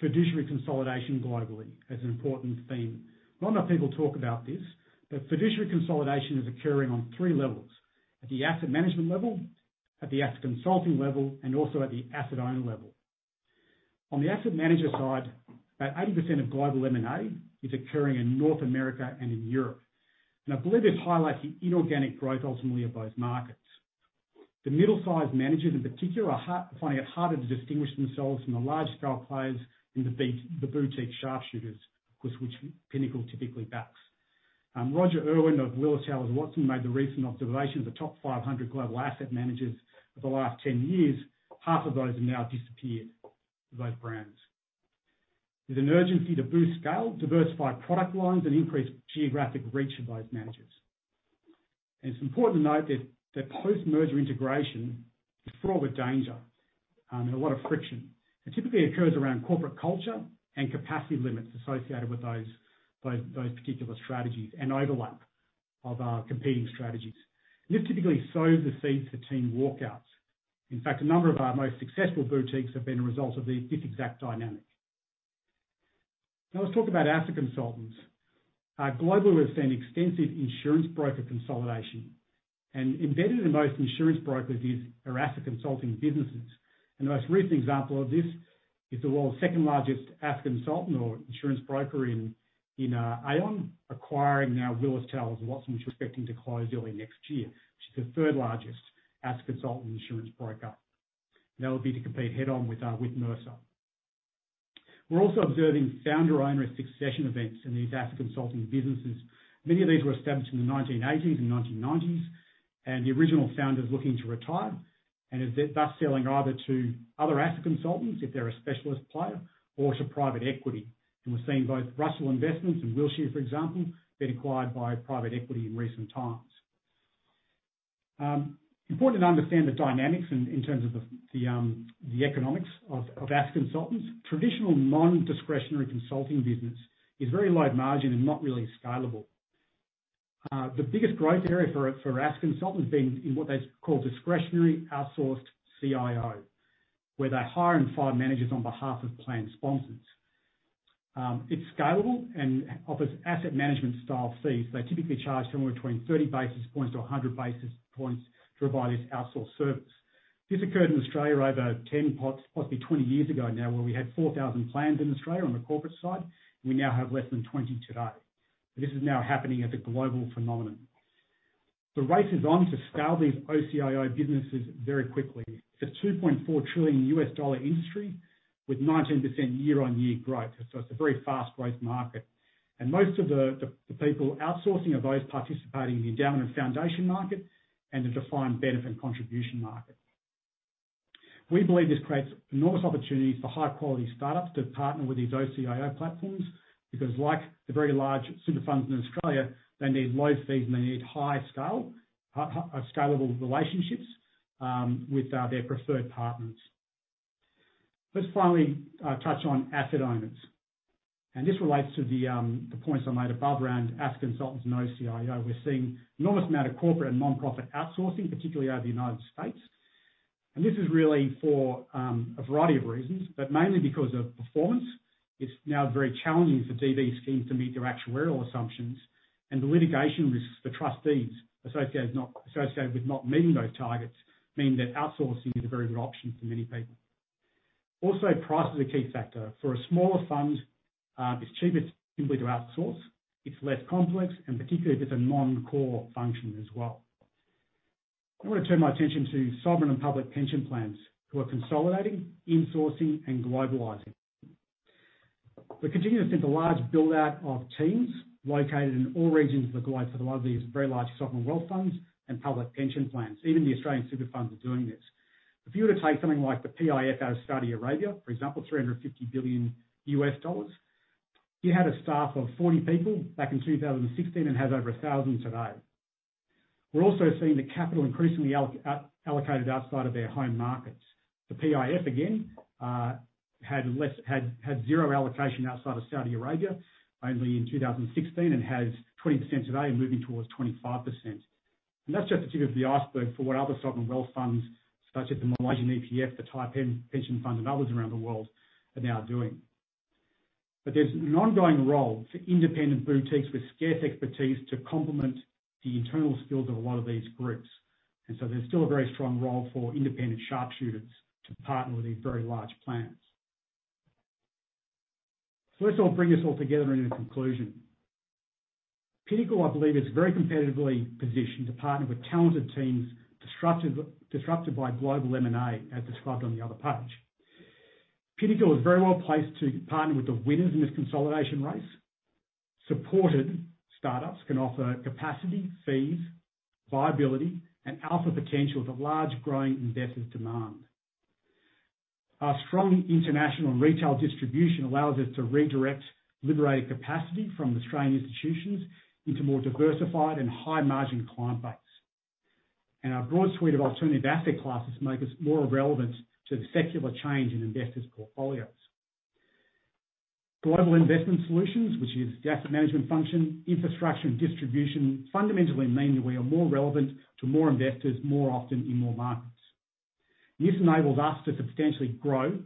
S4: fiduciary consolidation globally as an important theme. Not a lot of people talk about this, but fiduciary consolidation is occurring on three levels, at the asset management level, at the asset consulting level, and also at the asset owner level. On the asset manager side, about 80% of global M&A is occurring in North America and in Europe. I believe this highlights the inorganic growth ultimately of both markets. The middle-sized managers, in particular, are finding it harder to distinguish themselves from the large scale players and defeat the boutique sharpshooters, which Pinnacle typically backs. Roger Urwin of Willis Towers Watson made the recent observation, the top 500 global asset managers of the last 10 years, half of those have now disappeared to those brands. There's an urgency to boost scale, diversify product lines, and increase geographic reach of those managers. It's important to note that post-merger integration is fraught with danger, and a lot of friction. It typically occurs around corporate culture and capacity limits associated with those particular strategies and overlap of competing strategies. This typically sows the seeds for team walkouts. In fact, a number of our most successful boutiques have been a result of this exact dynamic. Now let's talk about asset consultants. Globally, we've seen extensive insurance broker consolidation. Embedded in most insurance brokers is our asset consulting businesses. The most recent example of this is the world's second-largest asset consultant or insurance broker is Aon acquiring Willis Towers Watson, which is expecting to close early next year, which is the third largest asset consultant insurance broker. That would be to compete head-on with Mercer. We're also observing founder-owner succession events in these asset consulting businesses. Many of these were established in the 1980s and 1990s, and the original founder is looking to retire and is thus selling either to other asset consultants if they're a specialist player or to private equity. We're seeing both Russell Investments and Wilshire, for example, being acquired by private equity in recent times. Important to understand the dynamics in terms of the economics of asset consultants. Traditional non-discretionary consulting business is very low margin and not really scalable. The biggest growth area for asset consultants being in what they call discretionary outsourced CIO, where they hire and fire managers on behalf of plan sponsors. It's scalable and offers asset management style fees. They typically charge somewhere between 30 basis points to 100 basis points to provide this outsourced service. This occurred in Australia over 10, possibly 20 years ago now, where we had 4,000 plans in Australia on the corporate side. We now have less than 20 today. This is now happening as a global phenomenon. The race is on to scale these OCIO businesses very quickly. It's a $2.4 trillion industry with 19% year-on-year growth. It's a very fast growth market. Most of the people outsourcing are those participating in the endowment foundation market and the defined benefit contribution market. We believe this creates enormous opportunities for high-quality startups to partner with these OCIO platforms because like the very large super funds in Australia, they need low fees, and they need high scale, scalable relationships with their preferred partners. Let's finally touch on asset owners. This relates to the points I made above around asset consultants and OCIO. We're seeing enormous amount of corporate and nonprofit outsourcing, particularly out of the United States. This is really for a variety of reasons, but mainly because of performance. It's now very challenging for DB schemes to meet their actuarial assumptions and the litigation risks for trustees associated with not meeting those targets mean that outsourcing is a very good option for many people. Also, price is a key factor. For a smaller fund, it's cheaper simply to outsource. It's less complex and particularly if it's a non-core function as well. I want to turn my attention to sovereign and public pension plans who are consolidating, insourcing, and globalizing. We're continuing to see the large build-out of teams located in all regions of the globe for the largest, very large sovereign wealth funds and public pension plans. Even the Australian super funds are doing this. If you were to take something like the PIF out of Saudi Arabia, for example, $350 billion, you had a staff of 40 people back in 2016 and has over 1,000 today. We're also seeing the capital increasingly allocated outside of their home markets. The PIF again, had zero allocation outside of Saudi Arabia only in 2016 and has 20% today and moving towards 25%. That's just the tip of the iceberg for what other sovereign wealth funds such as the Malaysian EPF, the Taiwan Pension Fund and others around the world are now doing. There's an ongoing role for independent boutiques with scarce expertise to complement the internal skills of a lot of these groups. There's still a very strong role for independent sharpshooters to partner with these very large plans. Let's all bring this all together in a conclusion. Pinnacle, I believe, is very competitively positioned to partner with talented teams disrupted by global M&A, as described on the other page. Pinnacle is very well placed to partner with the winners in this consolidation race. Supported startups can offer capacity, fees, viability, and alpha potential that large growing investors demand. Our strong international and retail distribution allows us to redirect liberated capacity from Australian institutions into more diversified and high-margin client base. Our broad suite of alternative asset classes make us more relevant to the secular change in investors' portfolios. Global investment solutions, which is the asset management function, infrastructure, and distribution, fundamentally mean that we are more relevant to more investors more often in more markets. This enables us to substantially grow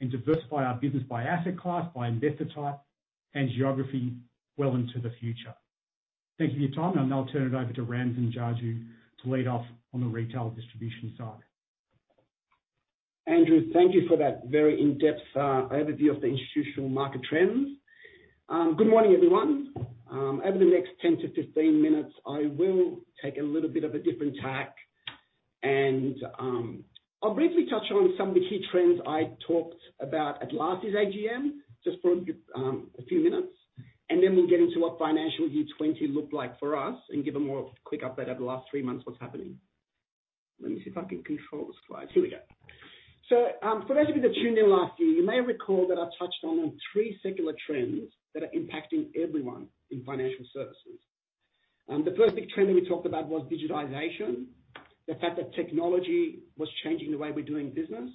S4: and diversify our business by asset class, by investor type, and geography well into the future. Thank you for your time. I'll now turn it over to Ramsin Jajoo to lead off on the retail distribution side.
S5: Andrew, thank you for that very in-depth overview of the institutional market trends. Good morning, everyone. Over the next 10-15 minutes, I will take a little bit of a different tack and, I'll briefly touch on some of the key trends I talked about at last year's AGM, just for a few minutes, and then we'll get into what financial year 2020 looked like for us and give a more quick update over the last three months what's happening. Let me see if I can control the slides. Here we go. For those of you that tuned in last year, you may recall that I touched on three secular trends that are impacting everyone in financial services. The first big trend that we talked about was digitization. The fact that technology was changing the way we're doing business.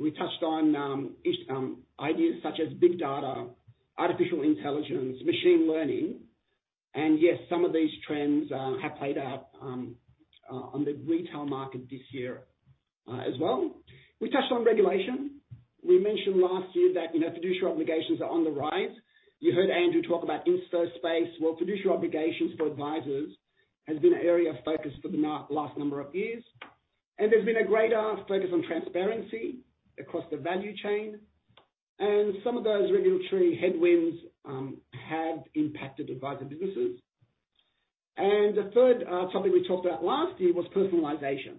S5: We touched on key ideas such as big data, artificial intelligence, machine learning, and yes, some of these trends have played out on the retail market this year as well. We touched on regulation. We mentioned last year that, you know, fiduciary obligations are on the rise. You heard Andrew talk about in the space, where fiduciary obligations for advisors has been an area of focus for the last number of years. There's been a greater focus on transparency across the value chain and some of those regulatory headwinds have impacted advisor businesses. The third topic we talked about last year was personalization.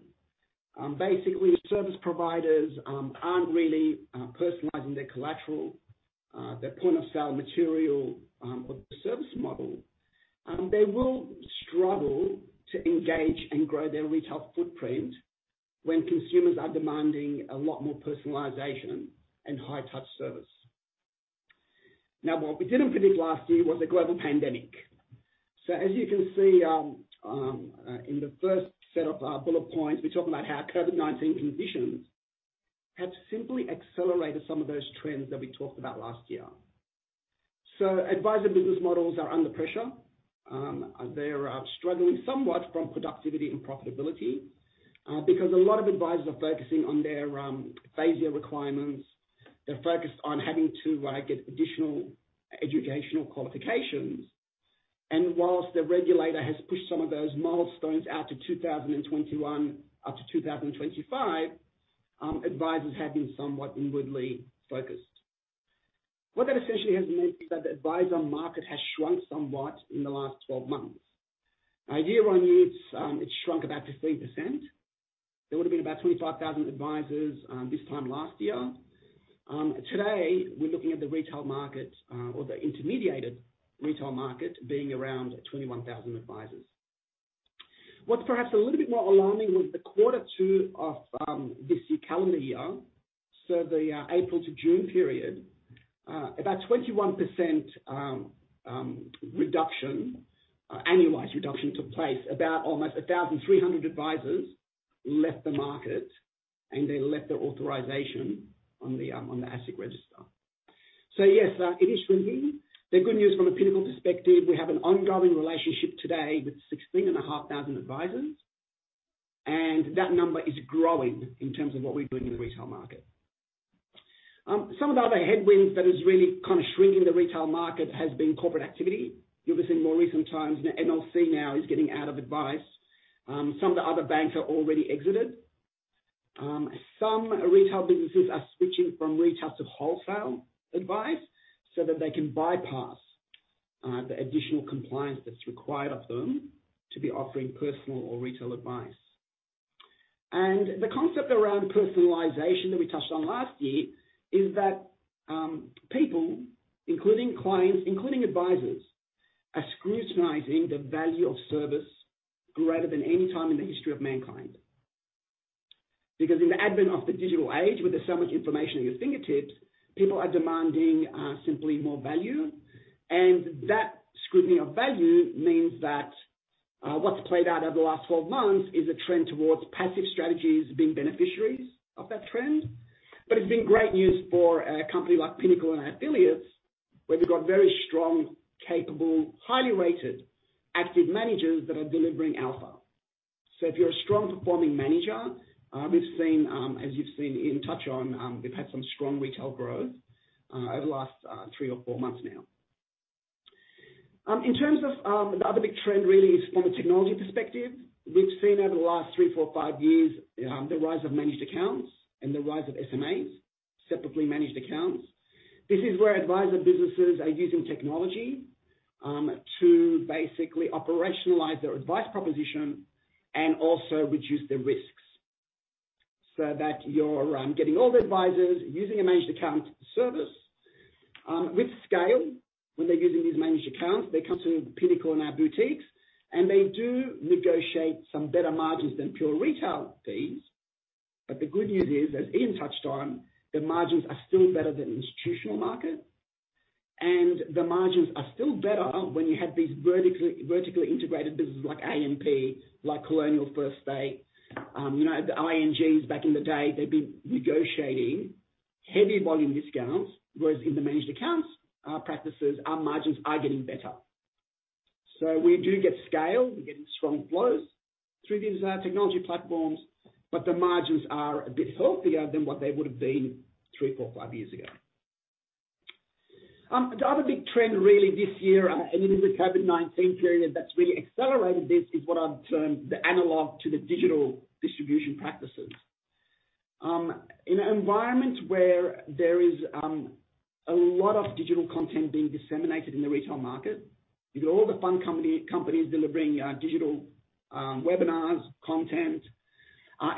S5: Basically, service providers aren't really personalizing their collateral, their point-of-sale material, or the service model. They will struggle to engage and grow their retail footprint when consumers are demanding a lot more personalization and high-touch service. Now, what we didn't predict last year was a global pandemic. As you can see, in the first set of bullet points, we talk about how COVID-19 conditions have simply accelerated some of those trends that we talked about last year. Advisor business models are under pressure. They are struggling somewhat from productivity and profitability because a lot of advisors are focusing on their FASEA requirements. They're focused on having to, like, get additional educational qualifications. While the regulator has pushed some of those milestones out to 2021 up to 2025, advisors have been somewhat inwardly focused. What that essentially has meant is that the advisor market has shrunk somewhat in the last 12 months. Now, year-on-year it's shrunk about 15%. There would've been about 25,000 advisors this time last year. Today, we're looking at the retail market or the intermediated retail market being around 21,000 advisors. What's perhaps a little bit more alarming was quarter two of this calendar year. The April to June period about 21% annualized reduction took place. About almost 1,300 advisors left the market, and they left their authorization on the asset register. Yes, it is shrinking. The good news from a Pinnacle perspective, we have an ongoing relationship today with 16,500 advisors, and that number is growing in terms of what we're doing in the retail market. Some of the other headwinds that is really kind of shrinking the retail market has been corporate activity. You'll see more recent times, and MLC now is getting out of advice. Some of the other banks are already exited. Some retail businesses are switching from retail to wholesale advice so that they can bypass the additional compliance that's required of them to be offering personal or retail advice. The concept around personalization that we touched on last year is that people, including clients, including advisors, are scrutinizing the value of service greater than any time in the history of mankind. Because in the advent of the digital age, where there's so much information at your fingertips, people are demanding simply more value. That scrutiny of value means that what's played out over the last 12 months is a trend towards passive strategies being beneficiaries of that trend. It's been great news for a company like Pinnacle and our affiliates, where we've got very strong, capable, highly rated active managers that are delivering alpha. If you're a strong performing manager, we've seen, as you've seen Ian touch on, we've had some strong retail growth over the last three or four months now. In terms of the other big trend really is from a technology perspective. We've seen over the last three, four, five years the rise of managed accounts and the rise of SMAs, separately managed accounts. This is where advisor businesses are using technology to basically operationalize their advice proposition and also reduce the risks so that you're getting all the advisors using a managed account service with scale. When they're using these managed accounts, they come to Pinnacle and our boutiques, and they do negotiate some better margins than pure retail fees. The good news is, as Ian touched on, the margins are still better than institutional market, and the margins are still better when you have these vertically integrated businesses like AMP, like Colonial First State, you know, the INGs back in the day. They've been negotiating heavy volume discounts, whereas in the managed accounts, our practices, our margins are getting better. We do get scale. We're getting strong flows through these technology platforms, but the margins are a bit healthier than what they would've been three, four, five years ago. The other big trend really this year, and in this COVID-19 period that's really accelerated this, is what I've termed the analog to the digital distribution practices. In an environment where there is a lot of digital content being disseminated in the retail market, you know, all the fund companies delivering digital webinars, content,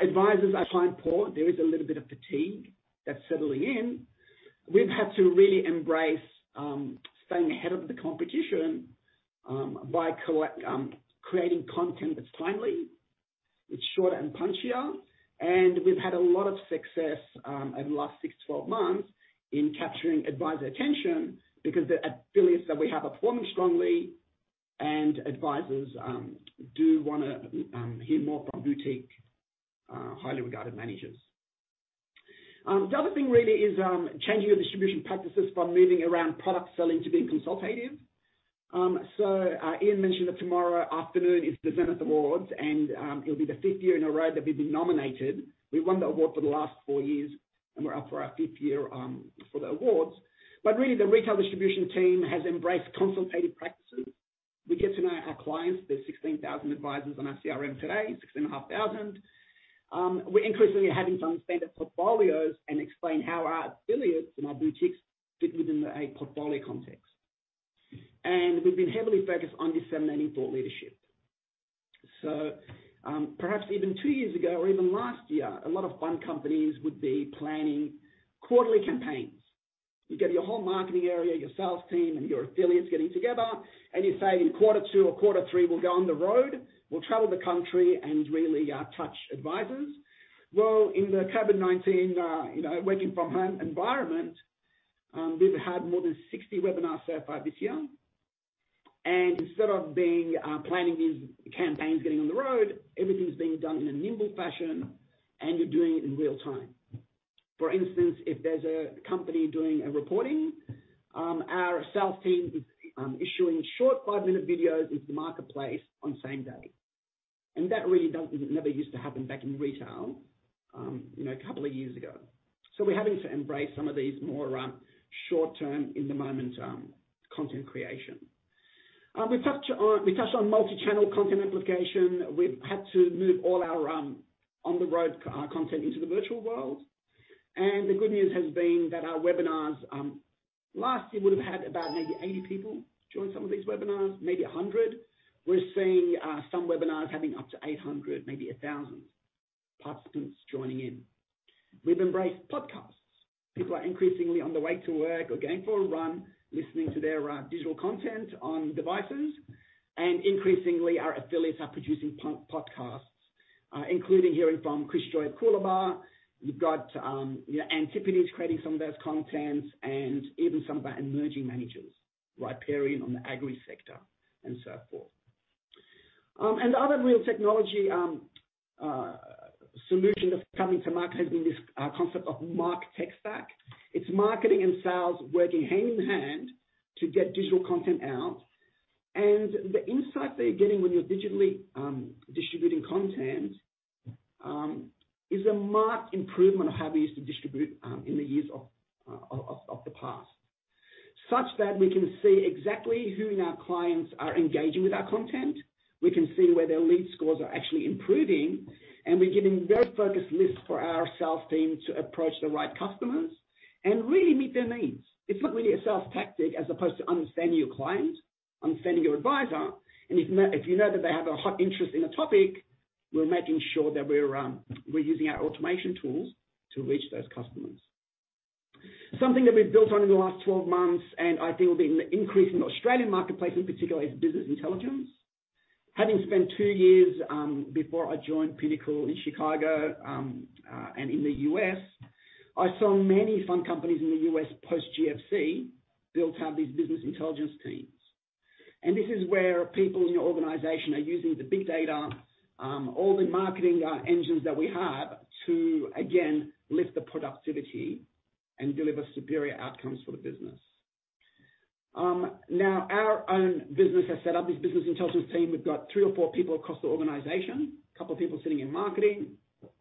S5: advisors are time-poor. There is a little bit of fatigue that's settling in. We've had to really embrace staying ahead of the competition by creating content that's timely, it's shorter and punchier, and we've had a lot of success over the last six to 12 months in capturing advisor attention because the affiliates that we have are performing strongly and advisors do wanna hear more from boutique highly regarded managers. The other thing really is changing the distribution practices from moving around product selling to being consultative. Ian mentioned that tomorrow afternoon is the Zenith Fund Awards and it'll be the fifth year in a row that we've been nominated. We've won the award for the last four years, and we're up for our fifth year for the awards. Really the retail distribution team has embraced consultative practices. We get to know our clients. There's 16,000 advisors on our CRM today, 16,500. We're increasingly having to understand their portfolios and explain how our affiliates and our boutiques fit within a portfolio context. We've been heavily focused on disseminating thought leadership. Perhaps even two years ago or even last year, a lot of fund companies would be planning quarterly campaigns. You get your whole marketing area, your sales team, and your affiliates getting together, and you say, in quarter two or quarter three, we'll go on the road. We'll travel the country and really touch advisors. Well, in the COVID-19 you know working from home environment, we've had more than 60 webinars so far this year. Instead of planning these campaigns, getting on the road, everything's being done in a nimble fashion, and you're doing it in real time. For instance, if there's a company doing a reporting, our sales team is issuing short five-minute videos into the marketplace on the same day. That really never used to happen back in retail, you know, a couple of years ago. We're having to embrace some of these more short-term, in the moment, content creation. We've touched on multi-channel content amplification. We've had to move all our on-the-road content into the virtual world. The good news has been that our webinars last year would have had about maybe 80 people join some of these webinars, maybe 100. We're seeing some webinars having up to 800, maybe 1000 participants joining in. We've embraced podcasts. People are increasingly on their way to work or going for a run listening to their digital content on devices. Increasingly our affiliates are producing podcasts, including hearing from Chris Joye at Coolabah. You've got, you know, Antipodes creating some of those contents and even some of our emerging managers, Riparian on the agri sector and so forth. And the other real technology solution that's coming to market has been this concept of martech stack. It's marketing and sales working hand in hand to get digital content out. The insight that you're getting when you're digitally distributing content is a marked improvement of how we used to distribute in the years of the past. Such that we can see exactly who in our clients are engaging with our content. We can see where their lead scores are actually improving, and we're giving very focused lists for our sales team to approach the right customers and really meet their needs. It's not really a sales tactic as opposed to understanding your client, understanding your advisor, and if you know that they have a hot interest in a topic, we're making sure that we're using our automation tools to reach those customers. Something that we've built on in the last 12 months, and I think will be an increase in the Australian marketplace in particular, is business intelligence. Having spent two years before I joined Pinnacle in Chicago and in the U.S., I saw many fund companies in the U.S. post GFC built to have these business intelligence teams. This is where people in your organization are using the big data, all the marketing engines that we have to again, lift the productivity and deliver superior outcomes for the business. Now our own business has set up this business intelligence team. We've got three or four people across the organization, couple people sitting in marketing,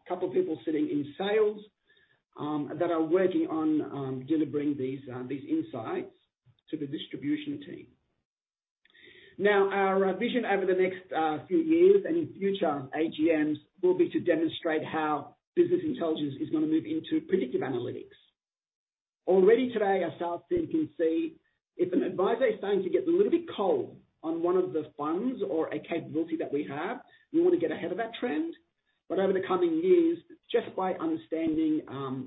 S5: couple people sitting in sales, that are working on, delivering these insights to the distribution team. Now, our vision over the next, few years and in future AGMs will be to demonstrate how business intelligence is gonna move into predictive analytics. Already today, our sales team can see if an advisor is starting to get a little bit cold on one of the funds or a capability that we have. We want to get ahead of that trend. Over the coming years, just by understanding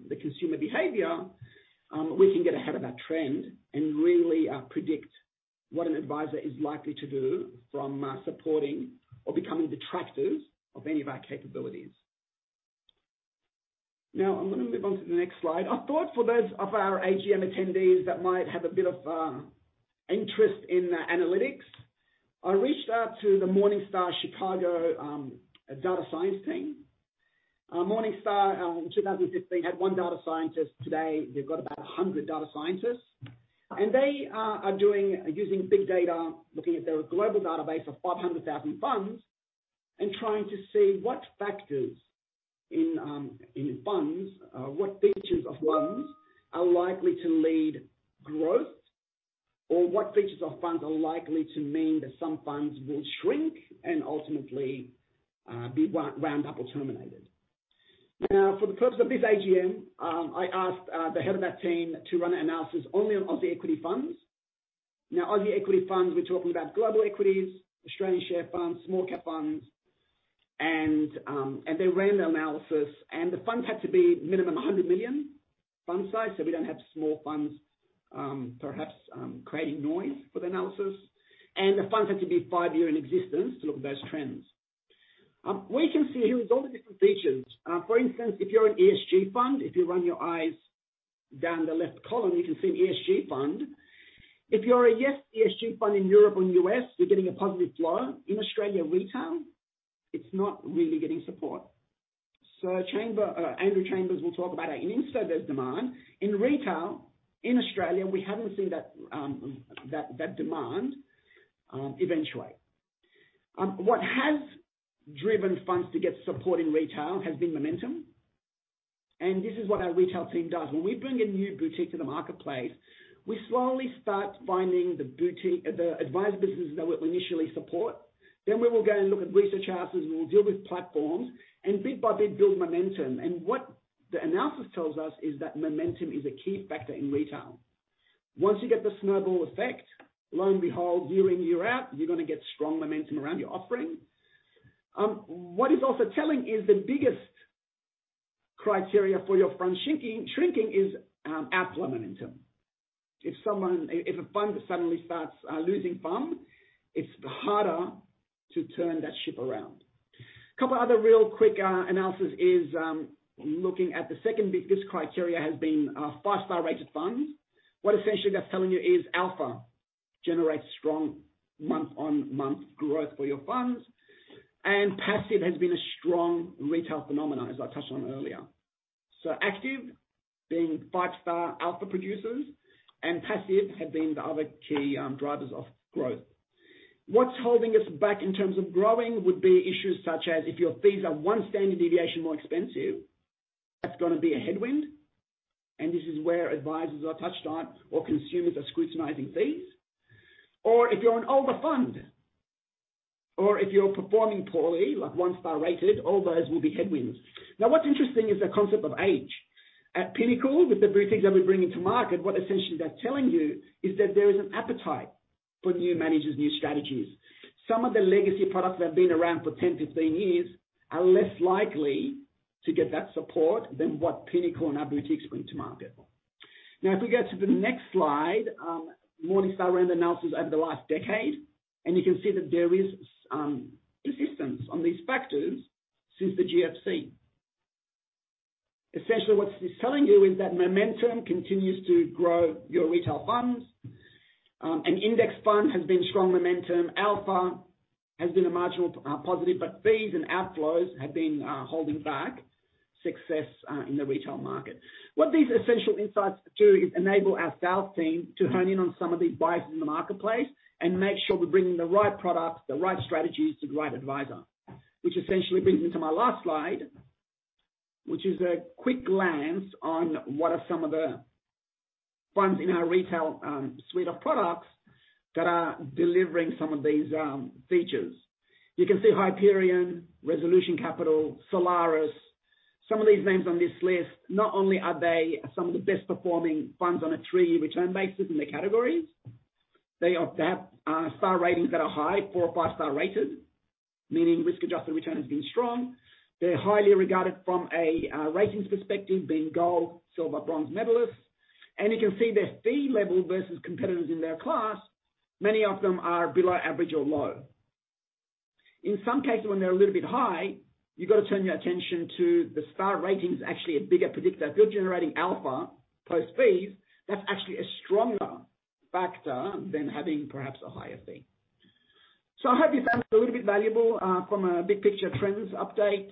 S5: the consumer behavior, we can get ahead of that trend and really predict what an advisor is likely to do from supporting or becoming detractors of any of our capabilities. Now, I'm gonna move on to the next slide. I thought for those of our AGM attendees that might have a bit of interest in analytics, I reached out to the Morningstar Chicago data science team. Morningstar in 2015 had one data scientist. Today, they've got about 100 data scientists. They are doing. Using big data, looking at their global database of 500,000 funds and trying to see what factors in funds what features of funds are likely to lead growth or what features of funds are likely to mean that some funds will shrink and ultimately be wound up or terminated. For the purpose of this AGM, I asked the head of that team to run analysis only on Aussie equity funds. Aussie equity funds, we're talking about global equities, Australian share funds, small cap funds. They ran the analysis, and the funds had to be minimum 100 million fund size, so we don't have small funds perhaps creating noise for the analysis. The funds had to be five years in existence to look at those trends. We can see here all the different features. For instance, if you're an ESG fund, if you run your eyes down the left column, you can see an ESG fund. If you're a yes ESG fund in Europe and U.S., you're getting a positive flow. In Australian retail, it's not really getting support. Chambers, Andrew Chambers will talk about our institutional; there's demand. In retail in Australia, we haven't seen that demand eventuate. What has driven funds to get support in retail has been momentum. This is what our retail team does. When we bring a new boutique to the marketplace, we slowly start finding the advisor businesses that we initially support. We will go and look at research houses, and we'll deal with platforms, and bit by bit build momentum. What the analysis tells us is that momentum is a key factor in retail. Once you get the snowball effect, lo and behold, year in, year out, you're gonna get strong momentum around your offering. What is also telling is the biggest criteria for your fund shrinking is outflow momentum. If a fund suddenly starts losing fund, it's harder to turn that ship around. A couple other real quick analyses is looking at the second biggest criteria has been five-star rated funds. What essentially that's telling you is alpha generates strong month-on-month growth for your funds, and passive has been a strong retail phenomenon, as I touched on earlier. Active being five-star alpha producers and passive have been the other key drivers of growth. What's holding us back in terms of growing would be issues such as if your fees are one standard deviation more expensive, that's gonna be a headwind. This is where advisors I touched on, or consumers are scrutinizing fees. If you're an older fund or if you're performing poorly, like one-star rated, all those will be headwinds. Now, what's interesting is the concept of age. At Pinnacle, with the boutiques that we're bringing to market, what essentially that's telling you is that there is an appetite for new managers, new strategies. Some of the legacy products that have been around for 10, 15 years are less likely to get that support than what Pinnacle and our boutiques bring to market. Now, if we go to the next slide, Morningstar ran the analysis over the last decade, and you can see that there is persistence on these factors since the GFC. Essentially, what this is telling you is that momentum continues to grow your retail funds. Index fund has been strong momentum. Alpha has been a marginal positive, but fees and outflows have been holding back success in the retail market. What these essential insights do is enable our sales team to hone in on some of these buyers in the marketplace and make sure we're bringing the right products, the right strategies to the right advisor. Which essentially brings me to my last slide, which is a quick glance on what are some of the funds in our retail suite of products that are delivering some of these features. You can see Hyperion, Resolution Capital, Solaris. Some of these names on this list, not only are they some of the best performing funds on a three-year return basis in their categories, they have star ratings that are high, four or five-star rated, meaning risk-adjusted return has been strong. They're highly regarded from a ratings perspective, being gold, silver, bronze medalists. You can see their fee level versus competitors in their class, many of them are below average or low. In some cases, when they're a little bit high, you've got to turn your attention to the star ratings, actually a bigger predictor. If you're generating alpha post-fees, that's actually a stronger factor than having perhaps a higher fee. I hope you found this a little bit valuable from a big picture trends update.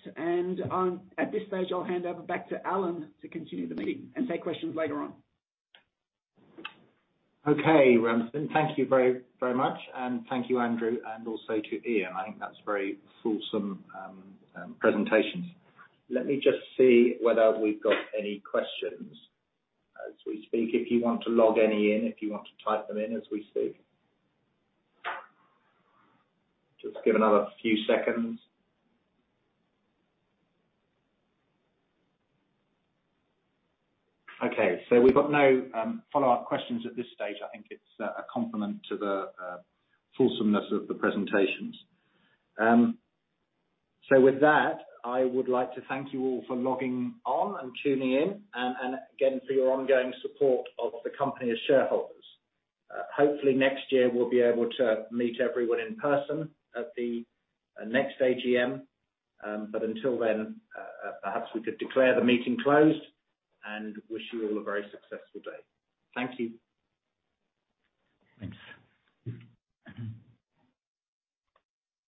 S5: At this stage, I'll hand over back to Alan to continue the meeting and take questions later on.
S1: Okay, Ramsin. Thank you very, very much. Thank you, Andrew, and also to Ian. I think that's very fulsome presentations. Let me just see whether we've got any questions as we speak. If you want to log any in, if you want to type them in as we speak. Just give another few seconds. Okay, we've got no follow-up questions at this stage. I think it's a compliment to the fulsomeness of the presentations. With that, I would like to thank you all for logging on and tuning in and again for your ongoing support of the company as shareholders. Hopefully next year we'll be able to meet everyone in person at the next AGM. Until then, perhaps we could declare the meeting closed and wish you all a very successful day. Thank you.
S5: Thanks.